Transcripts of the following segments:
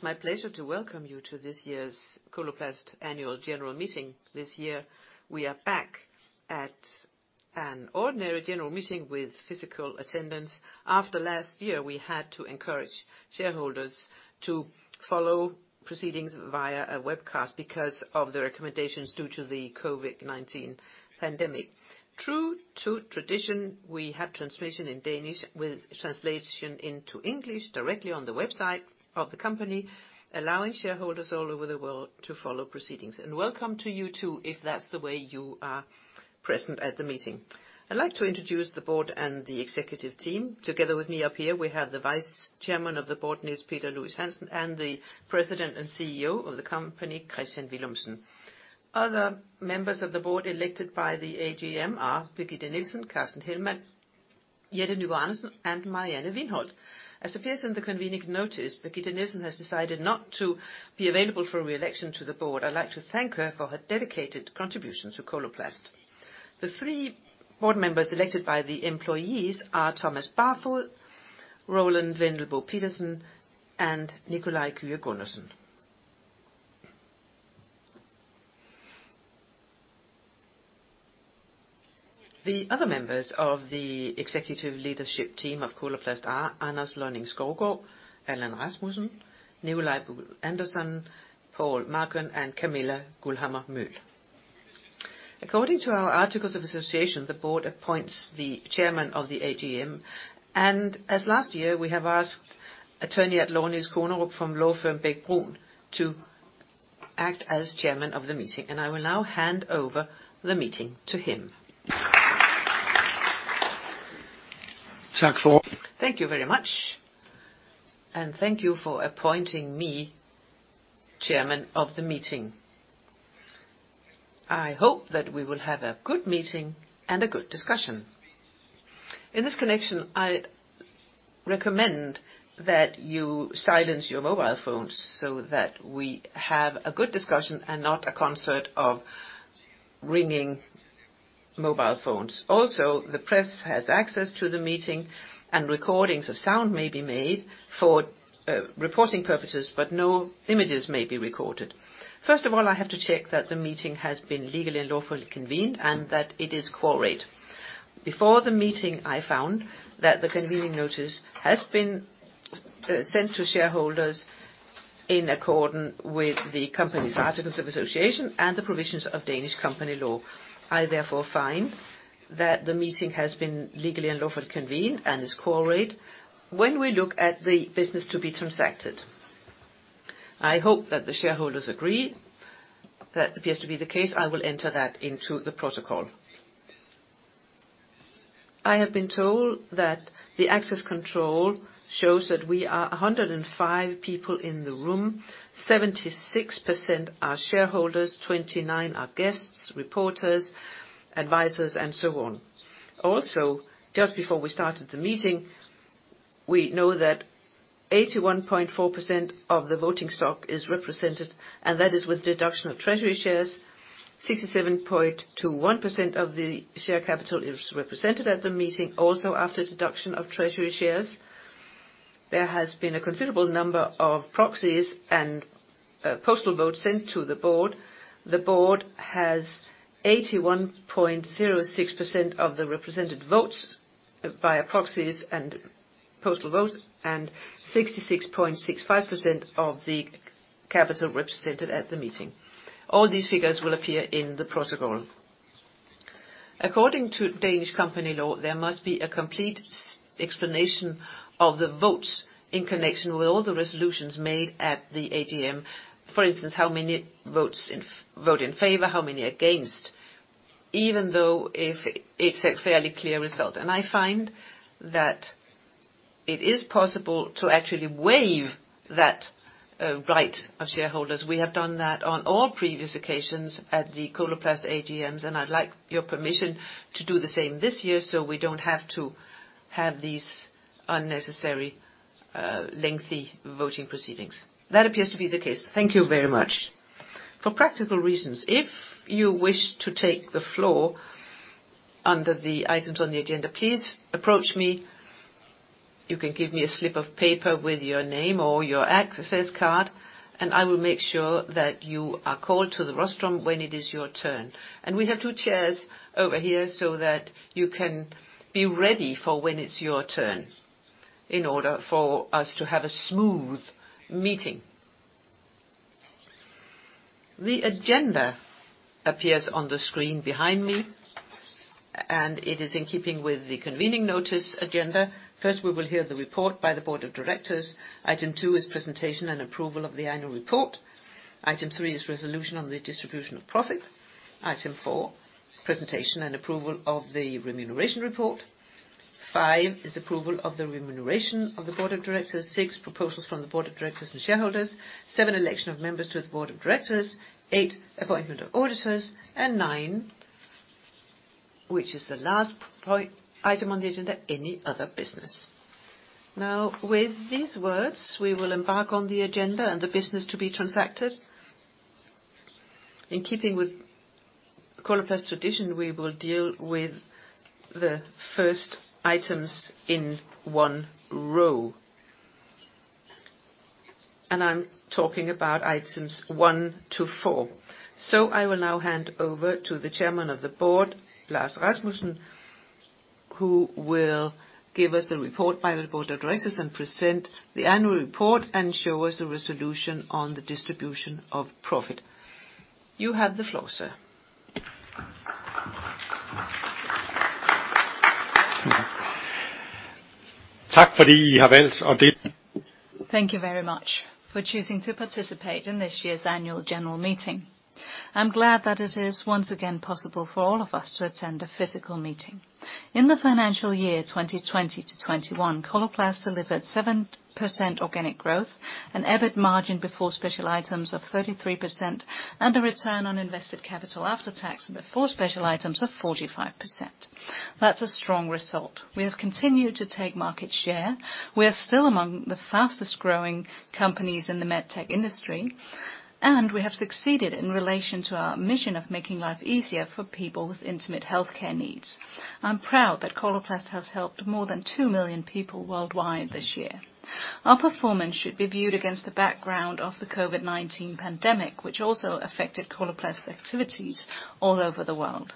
It's my pleasure to welcome you to this year's Coloplast Annual General Meeting. This year, we are back at an ordinary general meeting with physical attendance. After last year, we had to encourage shareholders to follow proceedings via a webcast because of the recommendations due to the COVID-19 pandemic. True to tradition, we have translation in Danish, with translation into English directly on the website of the company, allowing shareholders all over the world to follow proceedings. Welcome to you, too, if that's the way you are present at the meeting. I'd like to introduce the Board and the executive team. Together with me up here, we have the Vice Chairman of the Board, Niels Peter Louis-Hansen, and the President and CEO of the company, Kristian Villumsen. Other members of the Board, elected by the AGM, are Birgitte Nielsen, Carsten Hellmann, Jette Nygaard-Andersen, and Marianne Wiinholt. As appears in the convening notice, Birgitte Nielsen has decided not to be available for re-election to the board. I'd like to thank her for her dedicated contribution to Coloplast. The three board members elected by the employees are Thomas Barfod, Roland Vendelbo Pedersen, and Nikolaj Kyhe Gundersen. The other members of the executive leadership team of Coloplast are Anders Lønning-Skovgaard, Allan Rasmussen, Nicolai Buhl Andersen, Paul Marcun, and Camilla Guldhammer Møhl According to our articles of association, the board appoints the chairman of the AGM, and as last year, we have asked attorney at law, Niels Kornerup, from law firm Bech-Bruun, to act as chairman of the meeting, and I will now hand over the meeting to him. Thank you very much, and thank you for appointing me chairman of the meeting. I hope that we will have a good meeting and a good discussion. In this connection, I recommend that you silence your mobile phones, so that we have a good discussion and not a concert of ringing mobile phones. The press has access to the meeting, and recordings of sound may be made for reporting purposes, but no images may be recorded. First of all, I have to check that the meeting has been legally and lawfully convened and that it is quorate. Before the meeting, I found that the convening notice has been sent to shareholders in accordance with the company's articles of association and the provisions of Danish company law. I, therefore, find that the meeting has been legally and lawfully convened and is quorate. When we look at the business to be transacted, I hope that the shareholders agree. That appears to be the case. I will enter that into the protocol. I have been told that the access control shows that we are 105 people in the room. 76% are shareholders, 29 are guests, reporters, advisors, and so on. Just before we started the meeting, we know that 81.4% of the voting stock is represented, and that is with deduction of treasury shares. 67.21% of the share capital is represented at the meeting, also after deduction of treasury shares. There has been a considerable number of proxies and postal votes sent to the board. The board has 81.06% of the represented votes via proxies and postal votes, and 66.65% of the capital represented at the meeting. All these figures will appear in the protocol. According to Danish company law, there must be a complete explanation of the votes in connection with all the resolutions made at the AGM. For instance, how many votes in favor, how many against, even though if it's a fairly clear result. I find that it is possible to actually waive that right of shareholders. We have done that on all previous occasions at the Coloplast AGMs, and I'd like your permission to do the same this year, so we don't have to have these unnecessary lengthy voting proceedings. That appears to be the case. Thank you very much. For practical reasons, if you wish to take the floor under the items on the agenda, please approach me. You can give me a slip of paper with your name or your access card, and I will make sure that you are called to the rostrum when it is your turn. We have two chairs over here so that you can be ready for when it's your turn, in order for us to have a smooth meeting. The agenda appears on the screen behind me, and it is in keeping with the convening notice agenda. First, we will hear the report by the Board of Directors. Item 2, is presentation and approval of the annual report. Item 3, is resolution on the distribution of profit. Item 4, presentation and approval of the remuneration report. Item 5, is approval of the remuneration of the Board of Directors. Item 6, proposals from the Board of Directors and shareholders. Item 7, election of members to the Board of Directors. Item 8, appointment of auditors. Item 9, which is the last point, item on the agenda, any other business. Now, with these words, we will embark on the agenda and the business to be transacted. In keeping with Coloplast tradition, we will deal with the first items in one row. I'm talking about items one to four. I will now hand over to the Chairman of the Board, Lars Rasmussen, who will give us the report by the board of directors, present the annual report, and show us a resolution on the distribution of profit. You have the floor, sir. Thank you very much for choosing to participate in this year's annual general meeting. I'm glad that it is once again possible for all of us to attend a physical meeting. In the financial year 2020-2021, Coloplast delivered 7% organic growth, an EBIT margin before special items of 33%, and a return on invested capital after tax and before special items of 45%. That's a strong result. We have continued to take market share. We are still among the fastest growing companies in the med tech industry, and we have succeeded in relation to our mission of making life easier for people with intimate healthcare needs. I'm proud that Coloplast has helped more than two million people worldwide this year. Our performance should be viewed against the background of the COVID-19 pandemic, which also affected Coloplast's activities all over the world.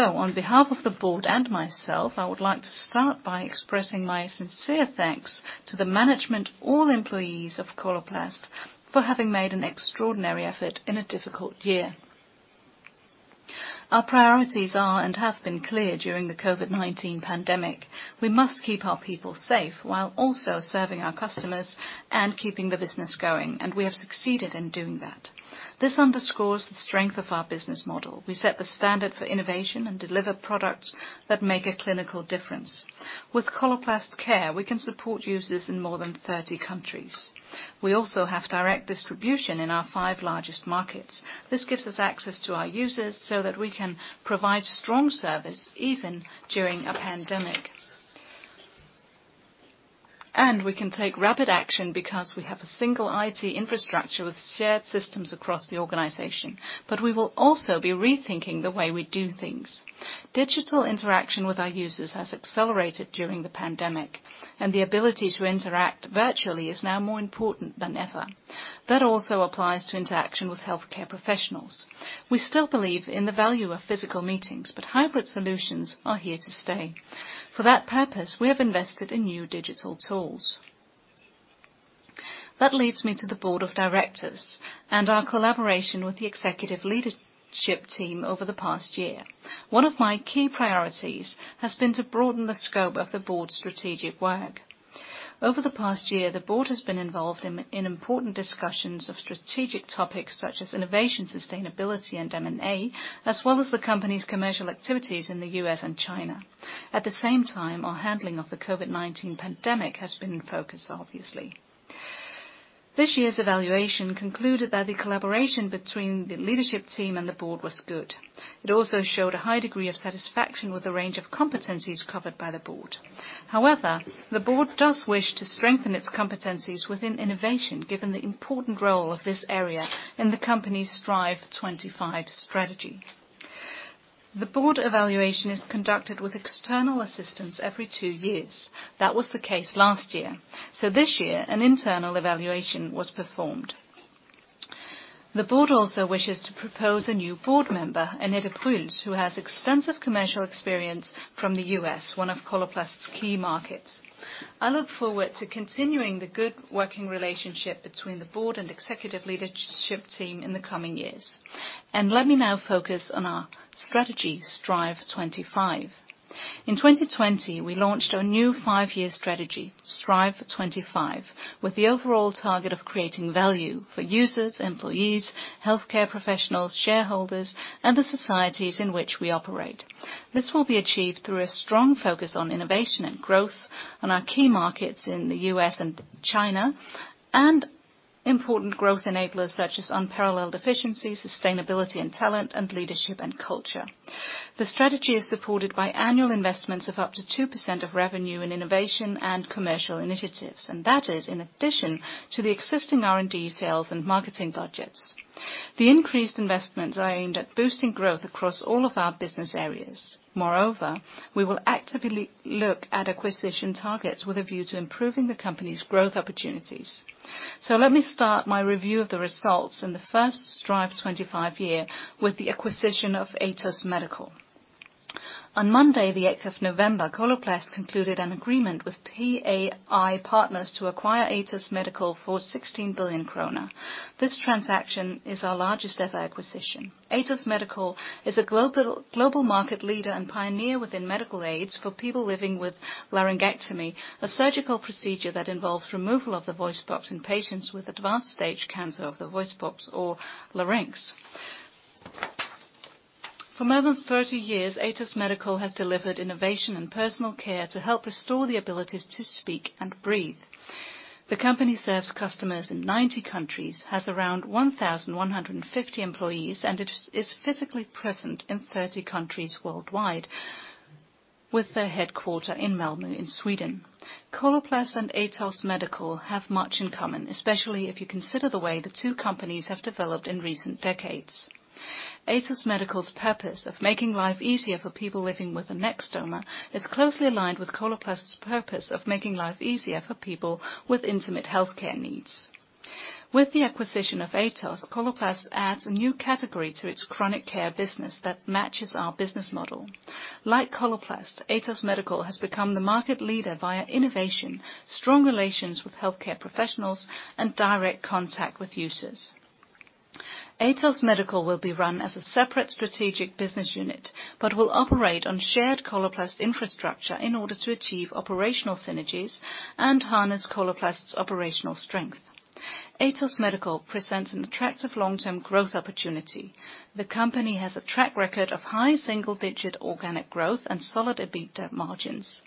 On behalf of the board and myself, I would like to start by expressing my sincere thanks to the management, all employees of Coloplast, for having made an extraordinary effort in a difficult year. Our priorities are, and have been clear during the COVID-19 pandemic. We must keep our people safe while also serving our customers and keeping the business going, and we have succeeded in doing that. This underscores the strength of our business model. We set the standard for innovation and deliver products that make a clinical difference. With Coloplast care, we can support users in more than 30 countries. We also have direct distribution in our five largest markets. This gives us access to our users so that we can provide strong service even during a pandemic. We can take rapid action because we have a single IT infrastructure with shared systems across the organization. We will also be rethinking the way we do things. Digital interaction with our users has accelerated during the pandemic, and the ability to interact virtually is now more important than ever. That also applies to interaction with healthcare professionals. We still believe in the value of physical meetings, but hybrid solutions are here to stay. For that purpose, we have invested in new digital tools. That leads me to the board of directors and our collaboration with the executive leadership team over the past year. One of my key priorities has been to broaden the scope of the board's strategic work. Over the past year, the board has been involved in important discussions of strategic topics such as innovation, sustainability, and M&A, as well as the company's commercial activities in the US and China. At the same time, our handling of the COVID-19 pandemic has been in focus, obviously. This year's evaluation concluded that the collaboration between the leadership team and the board was good. It also showed a high degree of satisfaction with the range of competencies covered by the board. The board does wish to strengthen its competencies within innovation, given the important role of this area in the company's Strive25 strategy. The board evaluation is conducted with external assistance every two years. That was the case last year, this year, an internal evaluation was performed. The board also wishes to propose a new board member, Annette Brüls, who has extensive commercial experience from the U.S., one of Coloplast's key markets. I look forward to continuing the good working relationship between the board and executive leadership team in the coming years. Let me now focus on our strategy, Strive25. In 2020, we launched our new five-year strategy, Strive25, with the overall target of creating value for users, employees, healthcare professionals, shareholders, and the societies in which we operate. This will be achieved through a strong focus on innovation and growth on our key markets in the U.S. and China, and important growth enablers such as unparalleled efficiency, sustainability, and talent, and leadership and culture. The strategy is supported by annual investments of up to 2% of revenue in innovation and commercial initiatives. That is in addition to the existing R&D, sales, and marketing budgets. The increased investments are aimed at boosting growth across all of our business areas. Moreover, we will actively look at acquisition targets with a view to improving the company's growth opportunities. Let me start my review of the results in the first Strive25 year with the acquisition of Atos Medical. On Monday, the eighth of November, Coloplast concluded an agreement with PAI Partners to acquire Atos Medical for 16 billion krone. This transaction is our largest ever acquisition. Atos Medical is a global market leader and pioneer within medical aids for people living with laryngectomy, a surgical procedure that involves removal of the voice box in patients with advanced stage cancer of the voice box or larynx. For more than 30 years, Atos Medical has delivered innovation and personal care to help restore the abilities to speak and breathe. The company serves customers in 90 countries, has around 1,150 employees, and it is physically present in 30 countries worldwide. With their headquarter in Malmö, in Sweden. Coloplast and Atos Medical have much in common, especially if you consider the way the two companies have developed in recent decades. Atos Medical's purpose of making life easier for people living with a neck stoma, is closely aligned with Coloplast's purpose of making life easier for people with intimate healthcare needs. With the acquisition of Atos, Coloplast adds a new category to its chronic care business that matches our business model. Like Coloplast, Atos Medical has become the market leader via innovation, strong relations with healthcare professionals, and direct contact with users. Atos Medical will be run as a separate strategic business unit, but will operate on shared Coloplast infrastructure in order to achieve operational synergies and harness Coloplast's operational strength. Atos Medical presents an attractive long-term growth opportunity. The company has a track record of high single-digit organic growth and solid EBITDA margins.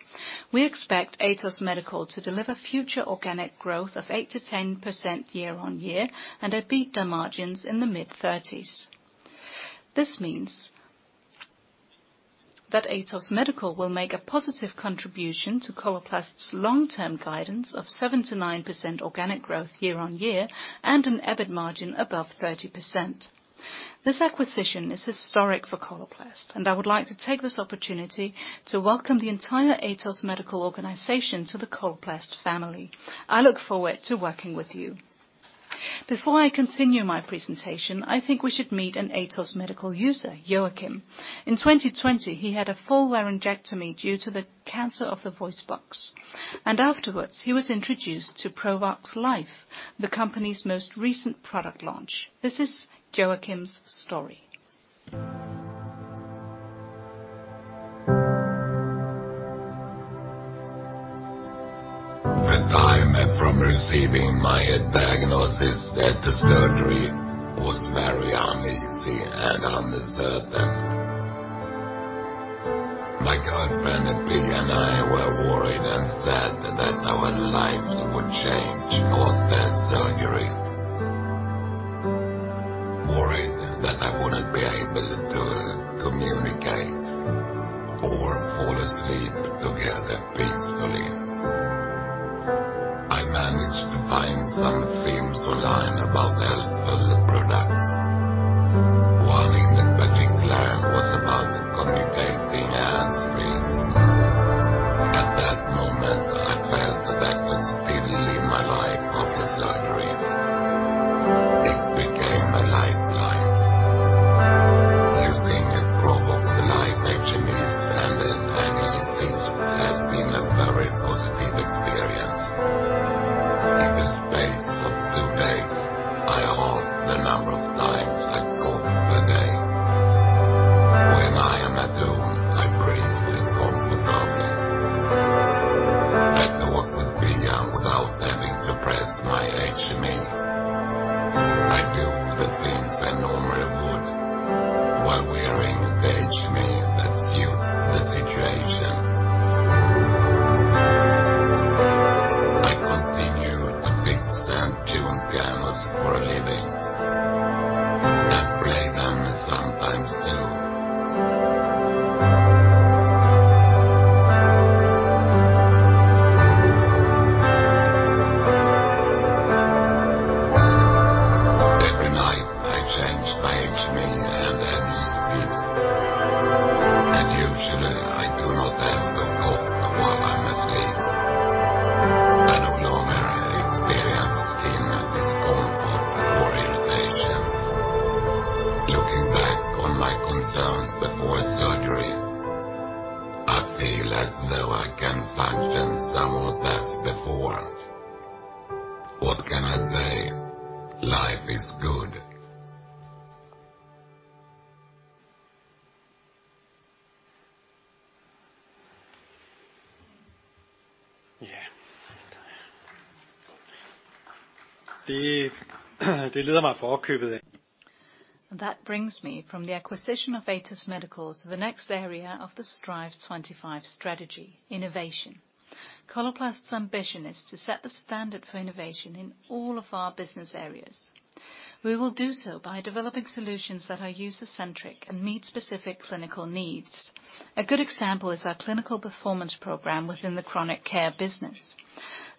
We expect Atos Medical to deliver future organic growth of 8%-10% year-on-year, and EBITDA margins in the mid-thirties. This means that Atos Medical will make a positive contribution to Coloplast's long-term guidance of 7%-9% organic growth year-on-year, and an EBIT margin above 30%. This acquisition is historic for Coloplast. I would like to take this opportunity to welcome the entire Atos Medical organization to the Coloplast family. I look forward to working with you. Before I continue my presentation, I think we should meet an Atos Medical user, Joachim. In 2020, he had a full laryngectomy due to the cancer of the voice box. Afterwards, he was introduced to Provox Life, the company's most recent product launch. This is Joachim's story. The time from receiving my diagnosis at the surgery was very uneasy and uncertain. My girlfriend, Pia, and I were worried and sad that our lives would change after surgery. Worried that I wouldn't be able to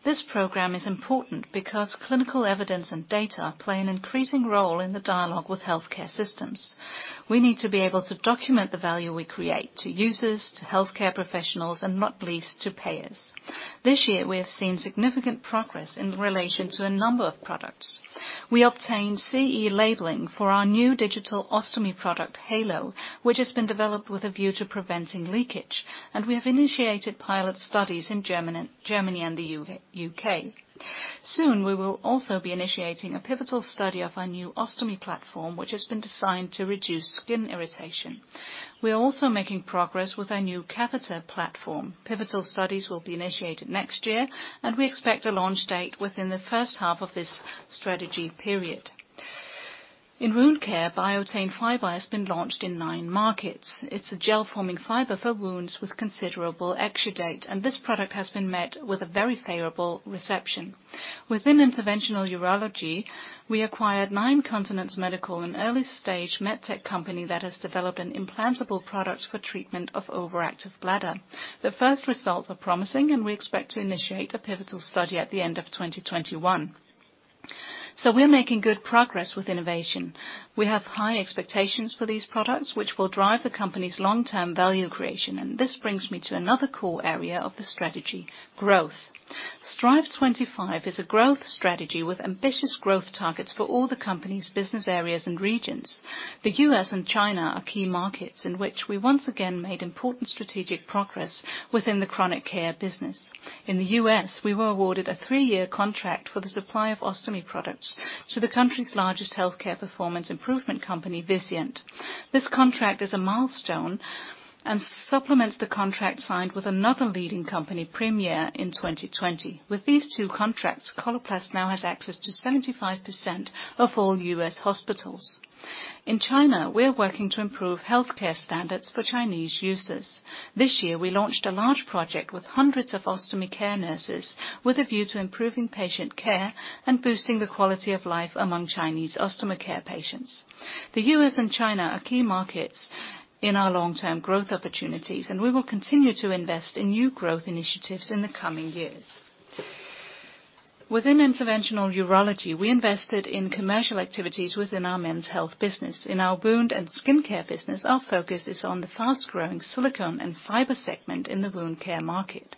This program is important because clinical evidence and data play an increasing role in the dialogue with healthcare systems. We need to be able to document the value we create to users, to healthcare professionals, and not least, to payers. This year, we have seen significant progress in relation to a number of products. We obtained CE marking for our new digital ostomy product, Heylo, which has been developed with a view to preventing leakage. We have initiated pilot studies in Germany and the U.K. Soon, we will also be initiating a pivotal study of our new ostomy platform, which has been designed to reduce skin irritation. We are also making progress with our new catheter platform. Pivotal studies will be initiated next year. We expect a launch date within the first half of this strategy period. In wound care, Biatain Fiber has been launched in nine markets. It's a gel-forming fiber for wounds with considerable exudate. This product has been met with a very favorable reception. Within Interventional Urology, we acquired Nine Continents Medical, an early-stage med tech company that has developed an implantable product for treatment of overactive bladder. The first results are promising. We expect to initiate a pivotal study at the end of 2021. We're making good progress with innovation. We have high expectations for these products, which will drive the company's long-term value creation, and this brings me to another core area of the strategy: growth. Strive25 is a growth strategy with ambitious growth targets for all the company's business areas and regions. The US and China are key markets in which we once again made important strategic progress within the chronic care business. In the US, we were awarded a three-year contract for the supply of ostomy products to the country's largest healthcare performance improvement company, Vizient. This contract is a milestone and supplements the contract signed with another leading company, Premier, in 2020. With these two contracts, Coloplast now has access to 75% of all US hospitals. In China, we're working to improve healthcare standards for Chinese users. This year, we launched a large project with hundreds of ostomy care nurses with a view to improving patient care and boosting the quality of life among Chinese ostomy care patients. The U.S. and China are key markets in our long-term growth opportunities, and we will continue to invest in new growth initiatives in the coming years. Within interventional urology, we invested in commercial activities within our men's health business. In our wound and skin care business, our focus is on the fast-growing silicone and fiber segment in the wound care market.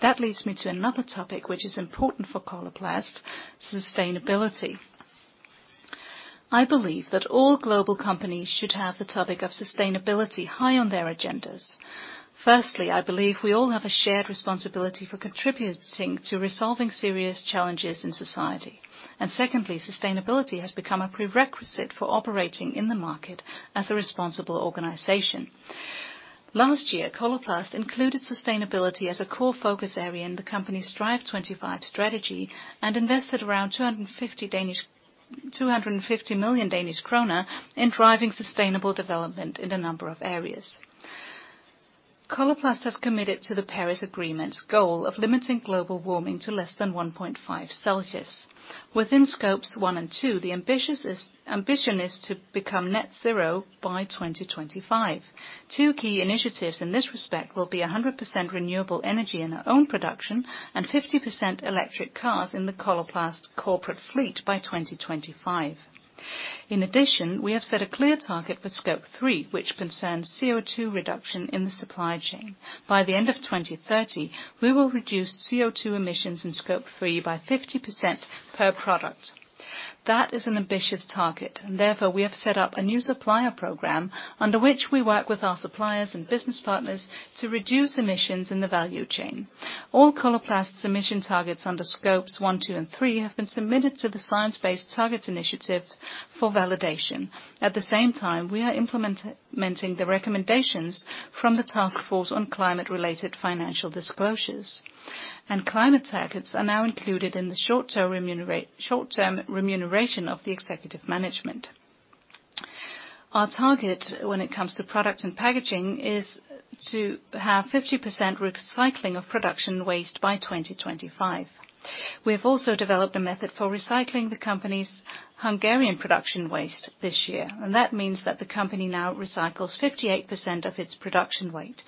That leads me to another topic, which is important for Coloplast: sustainability. I believe that all global companies should have the topic of sustainability high on their agendas. Firstly, I believe we all have a shared responsibility for contributing to resolving serious challenges in society. Secondly, sustainability has become a prerequisite for operating in the market as a responsible organization. Last year, Coloplast included sustainability as a core focus area in the company's Strive25 strategy and invested around 250 million Danish kroner in driving sustainable development in a number of areas. Coloplast has committed to the Paris Agreement's goal of limiting global warming to less than 1.5 Celsius. Within Scopes one and two, the ambition is to become net zero by 2025. Two key initiatives in this respect will be 100% renewable energy in our own production and 50% electric cars in the Coloplast corporate fleet by 2025. In addition, we have set a clear target for Scope three, which concerns CO₂ reduction in the supply chain. By the end of 2030, we will reduce CO₂ emissions in Scope 3 by 50% per product. That is an ambitious target. Therefore, we have set up a new supplier program under which we work with our suppliers and business partners to reduce emissions in the value chain. All Coloplast's emission targets under Scopes one, two, and three have been submitted to the Science Based Targets initiative for validation. At the same time, we are implementing the recommendations from the Task Force on Climate-related Financial Disclosures. Climate targets are now included in the short-term remuneration of the executive management. Our target when it comes to product and packaging is to have 50% recycling of production waste by 2025. We have also developed a method for recycling the company's Hungarian production waste this year, that means that the company now recycles 58% of its production weight.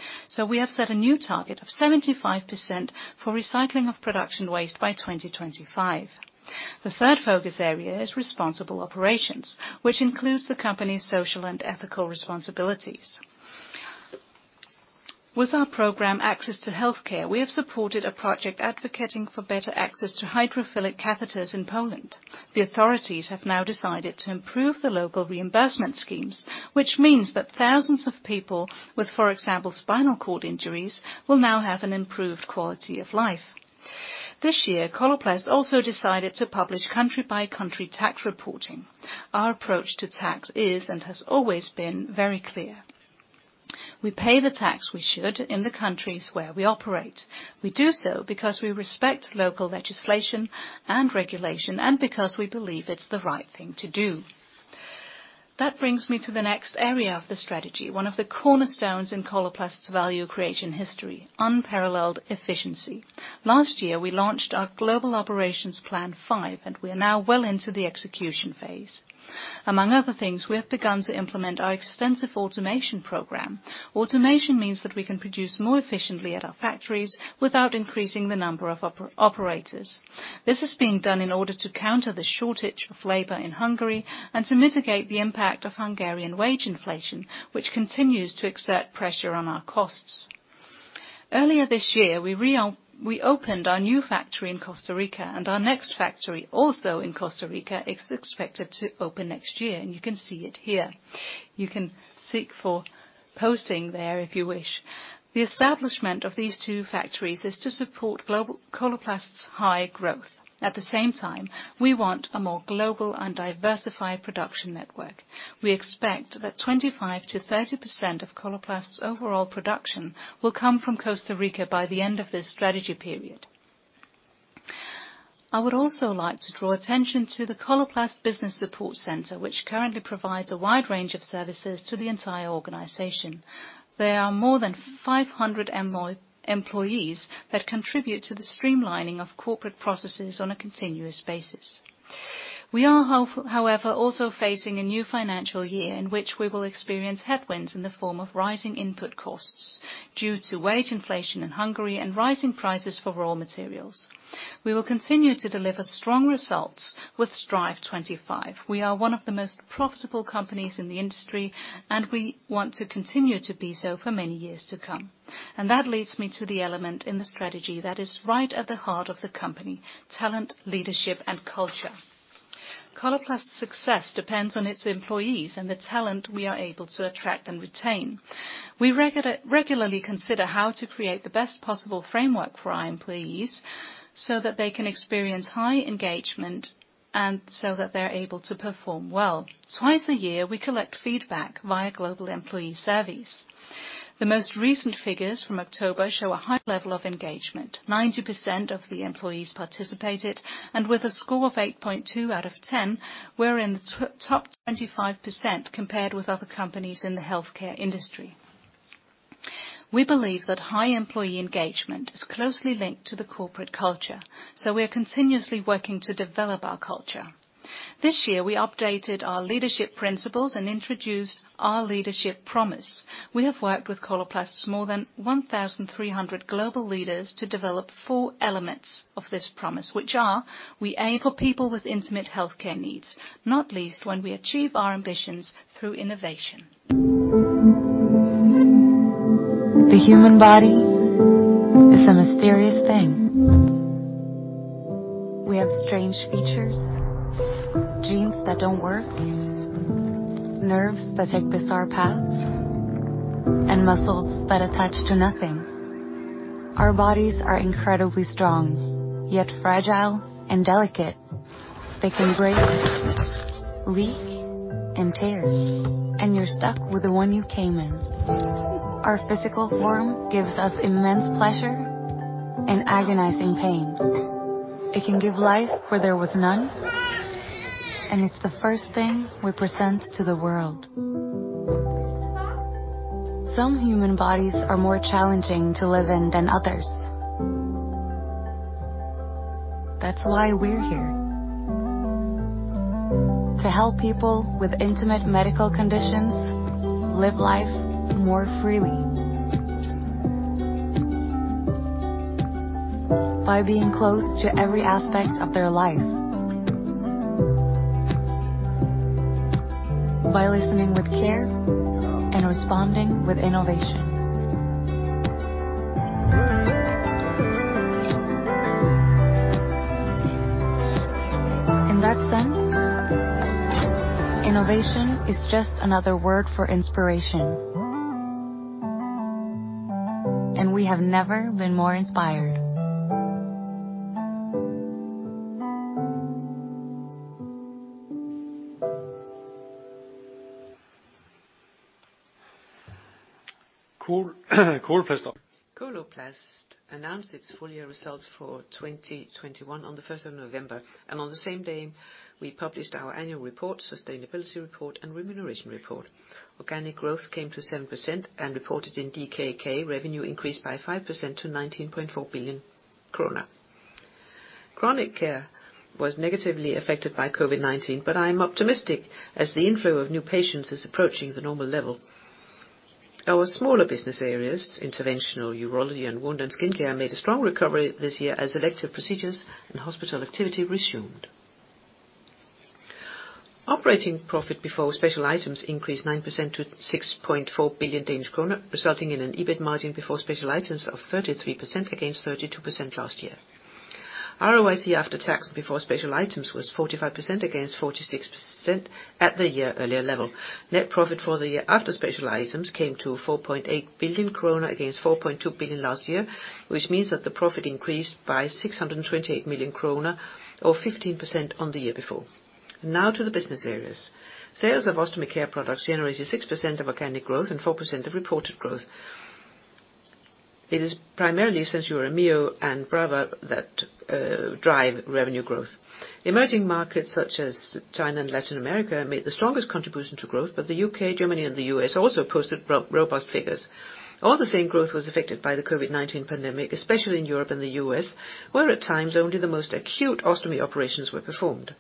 We have set a new target of 75% for recycling of production waste by 2025. The third focus area is responsible operations, which includes the company's social and ethical responsibilities. With our program, Access to Healthcare, we have supported a project advocating for better access to hydrophilic catheters in Poland. The authorities have now decided to improve the local reimbursement schemes, which means that thousands of people with, for example, spinal cord injuries, will now have an improved quality of life. This year, Coloplast also decided to publish country-by-country tax reporting. Our approach to tax is, and has always been, very clear. We pay the tax we should in the countries where we operate. We do so because we respect local legislation and regulation, and because we believe it's the right thing to do. That brings me to the next area of the strategy, one of the cornerstones in Coloplast's value creation history: unparalleled efficiency. Last year, we launched our Global Operations Plan 5, and we are now well into the execution phase. Among other things, we have begun to implement our extensive automation program. Automation means that we can produce more efficiently at our factories without increasing the number of operators. This is being done in order to counter the shortage of labor in Hungary and to mitigate the impact of Hungarian wage inflation, which continues to exert pressure on our costs. Earlier this year, we opened our new factory in Costa Rica. Our next factory, also in Costa Rica, is expected to open next year, and you can see it here. You can seek for posting there if you wish. The establishment of these two factories is to support Coloplast's high growth. At the same time, we want a more global and diversified production network. We expect that 25%-30% of Coloplast's overall production will come from Costa Rica by the end of this strategy period.... I would also like to draw attention to the Coloplast Business Support Center, which currently provides a wide range of services to the entire organization. There are more than 500 employees that contribute to the streamlining of corporate processes on a continuous basis. We are, however, also facing a new financial year in which we will experience headwinds in the form of rising input costs due to wage inflation in Hungary and rising prices for raw materials. We will continue to deliver strong results with Strive25. We are one of the most profitable companies in the industry, and we want to continue to be so for many years to come. That leads me to the element in the strategy that is right at the heart of the company, talent, leadership, and culture. Coloplast's success depends on its employees and the talent we are able to attract and retain. We regularly consider how to create the best possible framework for our employees, so that they can experience high engagement and so that they're able to perform well. Twice a year, we collect feedback via global employee surveys. The most recent figures from October show a high level of engagement. 90% of the employees participated, and with a score of 8.2 out of 10, we're in the top 25% compared with other companies in the healthcare industry. We believe that high employee engagement is closely linked to the corporate culture, so we are continuously working to develop our culture. This year, we updated our leadership principles and introduced our leadership promise. We have worked with Coloplast's more than 1,300 global leaders to develop four elements of this promise, which are: we aim for people with intimate healthcare needs, not least when we achieve our ambitions through innovation. The human body is a mysterious thing. We have strange features, genes that don't work, nerves that take bizarre paths, and muscles that attach to nothing. Our bodies are incredibly strong, yet fragile and delicate. They can break, leak, and tear, and you're stuck with the one you came in. Our physical form gives us immense pleasure and agonizing pain. It can give life where there was none, and it's the first thing we present to the world. Some human bodies are more challenging to live in than others. That's why we're here, to help people with intimate medical conditions live life more freely. By being close to every aspect of their life. By listening with care and responding with innovation. In that sense, innovation is just another word for inspiration. We have never been more inspired. Coloplast. Coloplast announced its full year results for 2021 on the 1st of November, and on the same day, we published our annual report, sustainability report, and remuneration report. Organic growth came to 7% and reported in DKK, revenue increased by 5% to 19.4 billion krone. Chronic care was negatively affected by COVID-19, but I am optimistic as the inflow of new patients is approaching the normal level. Our smaller business areas, Interventional Urology and wound and skin care, made a strong recovery this year as elective procedures and hospital activity resumed. Operating profit before special items increased 9% to 6.4 billion Danish kroner, resulting in an EBIT margin before special items of 33% against 32% last year. ROIC after tax, before special items, was 45% against 46% at the year earlier level. Net profit for the year after special items came to 4.8 billion kroner against 4.2 billion last year, which means that the profit increased by 628 million kroner, or 15% on the year before. To the business areas. Sales of ostomy care products generated 6% of organic growth and 4% of reported growth. It is primarily SenSura Mio and Brava that drive revenue growth. Emerging markets such as China and Latin America made the strongest contribution to growth, the U.K., Germany, and the U.S. also posted robust figures. All the same growth was affected by the COVID-19 pandemic, especially in Europe and the U.S., where at times, only the most acute ostomy operations were performed.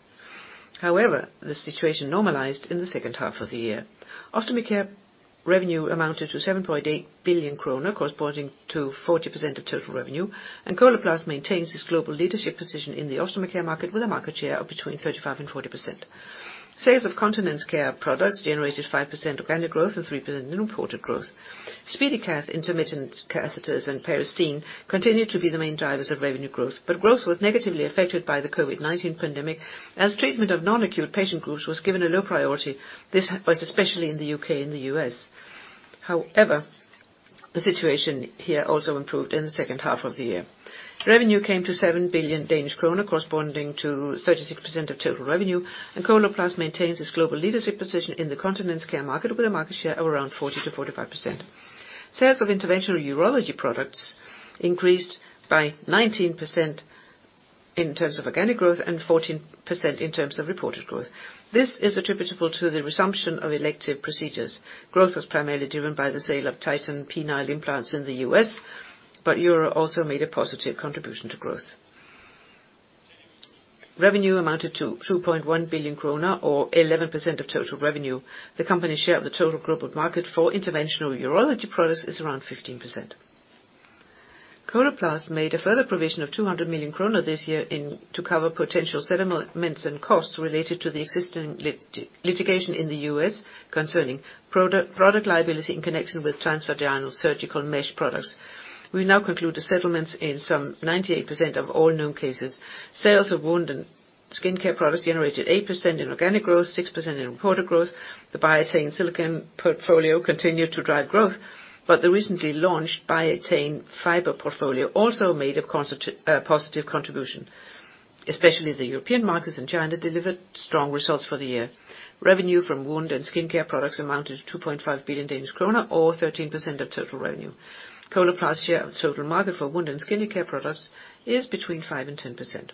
The situation normalized in the second half of the year. Ostomy care revenue amounted to 7.8 billion kroner, corresponding to 40% of total revenue. Coloplast maintains its global leadership position in the ostomy care market with a market share of between 35% and 40%. Sales of continence care products generated 5% organic growth and 3% in reported growth. SpeediCath, intermittent catheters, and Peristeen continued to be the main drivers of revenue growth. Growth was negatively affected by the COVID-19 pandemic, as treatment of non-acute patient groups was given a low priority. This was especially in the U.K. and the U.S. However, the situation here also improved in the second half of the year. Revenue came to 7 billion Danish krone, corresponding to 36% of total revenue. Coloplast maintains its global leadership position in the continence care market, with a market share of around 40%-45%. Sales of interventional urology products increased by 19% in terms of organic growth and 14% in terms of reported growth. This is attributable to the resumption of elective procedures. Growth was primarily driven by the sale of Titan penile implants in the U.S., but Uro also made a positive contribution to growth. Revenue amounted to 2.1 billion kroner, or 11% of total revenue. The company's share of the total global market for interventional urology products is around 15%. Coloplast made a further provision of 200 million kroner this year to cover potential settlements and costs related to the existing litigation in the U.S. concerning product liability in connection with transvaginal surgical mesh products. We now conclude the settlements in some 98% of all known cases. Sales of wound and skin care products generated 8% in organic growth, 6% in reported growth. The Biatain silicone portfolio continued to drive growth, but the recently launched Biatain Fiber portfolio also made a positive contribution. Especially the European markets and China delivered strong results for the year. Revenue from wound and skin care products amounted to 2.5 billion Danish kroner, or 13% of total revenue. Coloplast's share of total market for wound and skin care products is between 5% and 10%.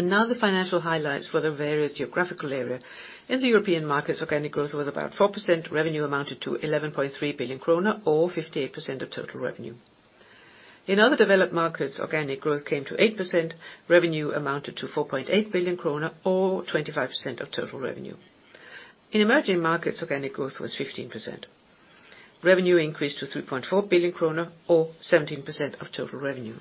Now the financial highlights for the various geographical area. In the European markets, organic growth was about 4%. Revenue amounted to 11.3 billion kroner, or 58% of total revenue. In other developed markets, organic growth came to 8%. Revenue amounted to 4.8 billion kroner, or 25% of total revenue. In emerging markets, organic growth was 15%. Revenue increased to 3.4 billion kroner, or 17% of total revenue.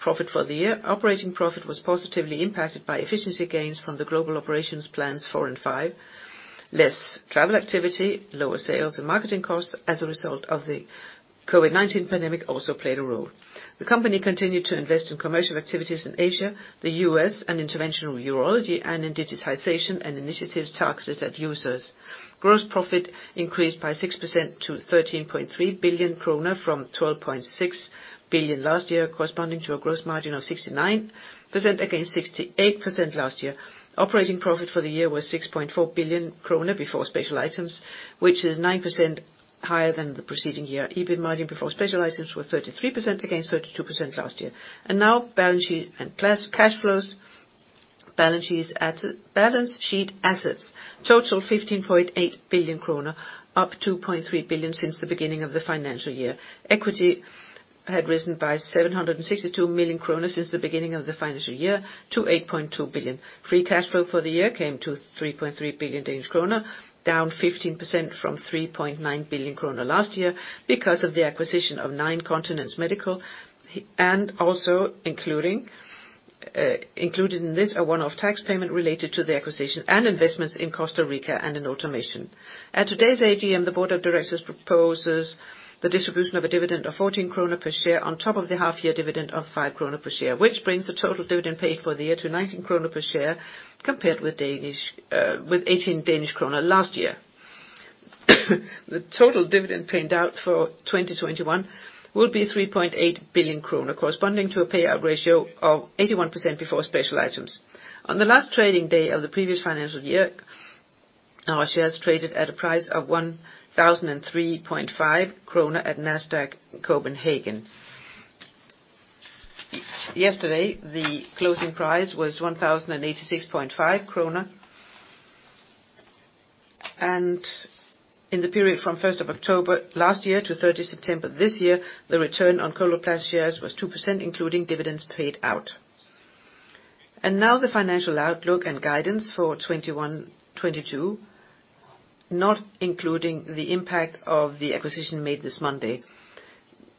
Profit for the year, operating profit was positively impacted by efficiency gains from the Global Operations Plan four and five. Less travel activity, lower sales and marketing costs as a result of the COVID-19 pandemic also played a role. The company continued to invest in commercial activities in Asia, the US, and Interventional Urology, and in digitization and initiatives targeted at users. Gross profit increased by 6% to 13.3 billion kroner from 12.6 billion last year, corresponding to a gross margin of 69% against 68% last year. Operating profit for the year was 6.4 billion krone before special items, which is 9% higher than the preceding year. EBIT margin before special items was 33%, against 32% last year. Now balance sheet and cash flows. Balance sheet assets total 15.8 billion kroner, up 2.3 billion since the beginning of the financial year. Equity had risen by 762 million kroner since the beginning of the financial year to 8.2 billion. Free cash flow for the year came to 3.3 billion Danish kroner, down 15% from 3.9 billion kroner last year because of the acquisition of Nine Continents Medical, and also included in this, a one-off tax payment related to the acquisition and investments in Costa Rica and in automation. At today's AGM, the board of directors proposes the distribution of a dividend of 14 kroner per share on top of the half-year dividend of 5 kroner per share, which brings the total dividend paid for the year to 19 kroner per share, compared with 18 Danish kroner last year. The total dividend paid out for 2021 will be 3.8 billion kroner, corresponding to a payout ratio of 81% before special items. On the last trading day of the previous financial year, our shares traded at a price of 1,003.5 kroner at Nasdaq Copenhagen. Yesterday, the closing price was 1,086.5 krone. In the period from first of October last year to 30th September this year, the return on Coloplast shares was 2%, including dividends paid out. Now the financial outlook and guidance for 2021, 2022, not including the impact of the acquisition made this Monday.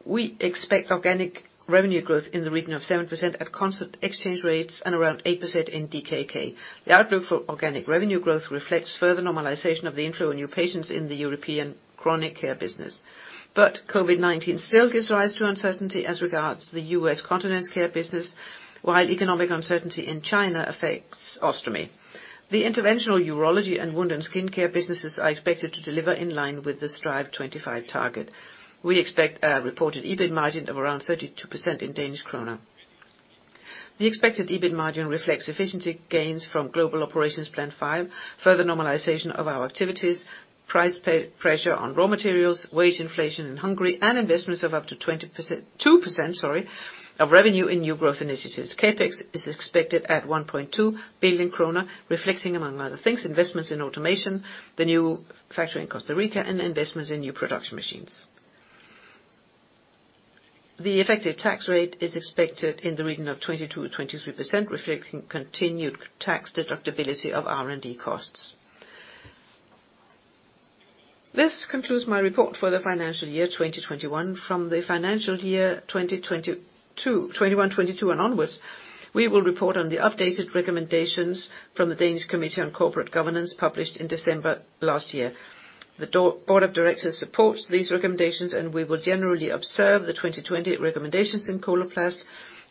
We expect organic revenue growth in the region of 7% at constant exchange rates and around 8% in DKK. The outlook for organic revenue growth reflects further normalization of the inflow in new patients in the European chronic care business. COVID-19 still gives rise to uncertainty as regards the U.S. Continents care business, while economic uncertainty in China affects Ostomy. The Interventional Urology and wound and skin care businesses are expected to deliver in line with the Strive25 target. We expect a reported EBIT margin of around 32% in DKK. The expected EBIT margin reflects efficiency gains from Global Operations Plan 5, further normalization of our activities, price pressure on raw materials, wage inflation in Hungary, and investments of up to 2%, sorry, of revenue in new growth initiatives. CapEx is expected at 1.2 billion kroner, reflecting, among other things, investments in automation, the new factory in Costa Rica, and investments in new production machines. The effective tax rate is expected in the region of 22%-23%, reflecting continued tax deductibility of R&D costs. This concludes my report for the financial year 2021. From the financial year 2022, 2021, 2022 and onwards, we will report on the updated recommendations from the Danish Committee on Corporate Governance, published in December last year. The Board of Directors supports these recommendations. We will generally observe the 2020 recommendations in Coloplast,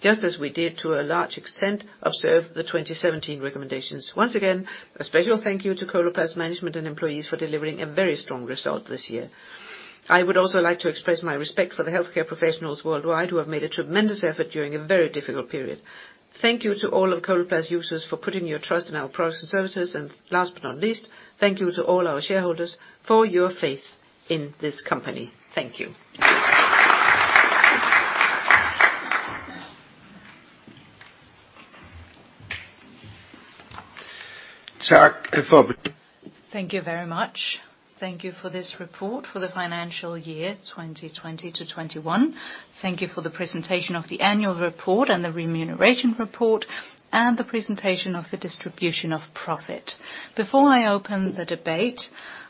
just as we did, to a large extent, observe the 2017 recommendations. Once again, a special thank you to Coloplast's management and employees for delivering a very strong result this year. I would also like to express my respect for the healthcare professionals worldwide, who have made a tremendous effort during a very difficult period. Thank you to all of Coloplast users for putting your trust in our products and services. Last but not least, thank you to all our shareholders for your faith in this company. Thank you. Thank you very much. Thank you for this report for the financial year, 2020-2021. Thank you for the presentation of the annual report and the remuneration report, and the presentation of the distribution of profit. Before I open the debate,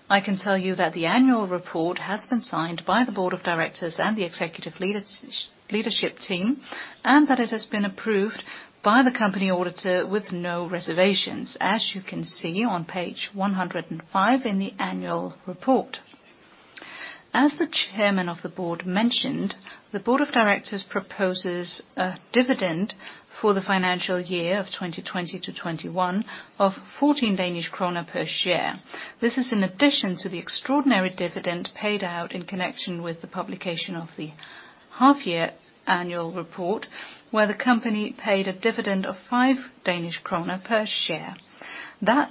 I can tell you that the annual report has been signed by the board of directors and the executive leadership team, and that it has been approved by the company auditor with no reservations, as you can see on page 105 in the annual report. As the Chairman of the Board mentioned, the board of directors proposes a dividend for the financial year of 2020-2021 of 14 Danish kroner per share. This is in addition to the extraordinary dividend paid out in connection with the publication of the half year annual report, where the company paid a dividend of 5 Danish krone per share. That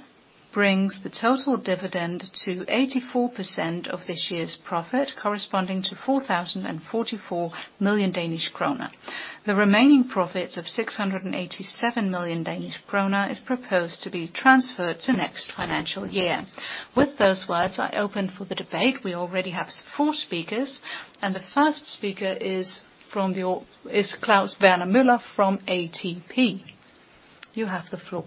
brings the total dividend to 84% of this year's profit, corresponding to 4,044 million Danish kroner. The remaining profits of 687 million Danish kroner is proposed to be transferred to next financial year. With those words, I open for the debate. We already have four speakers, and the first speaker is Claus Berner Møller from ATP. You have the floor.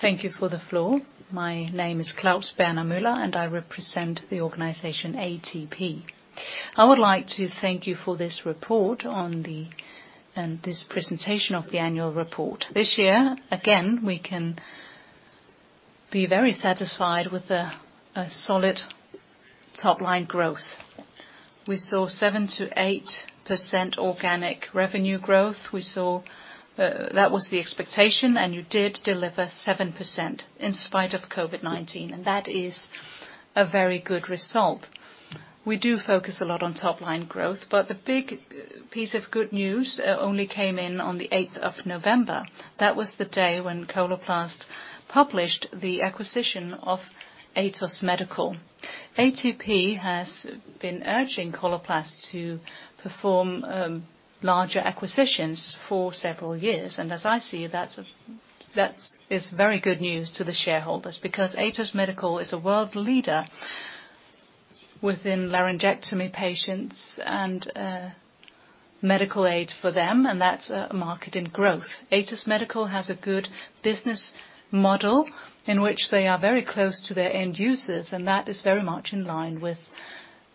Thank you for the floor. My name is Claus Berner Møller, and I represent the organization, ATP. I would like to thank you for this report. This presentation of the annual report. This year, again, we can be very satisfied with the solid top line growth. We saw 7%-8% organic revenue growth. We saw that was the expectation, you did deliver 7% in spite of COVID-19, that is a very good result. We do focus a lot on top line growth, the big piece of good news only came in on the eighth of November. That was the day when Coloplast published the acquisition of Atos Medical. ATP has been urging Coloplast to perform larger acquisitions for several years, as I see, that is very good news to the shareholders, because Atos Medical is a world leader within laryngectomy patients and medical aid for them, that's a market in growth. Atos Medical has a good business model in which they are very close to their end users, and that is very much in line with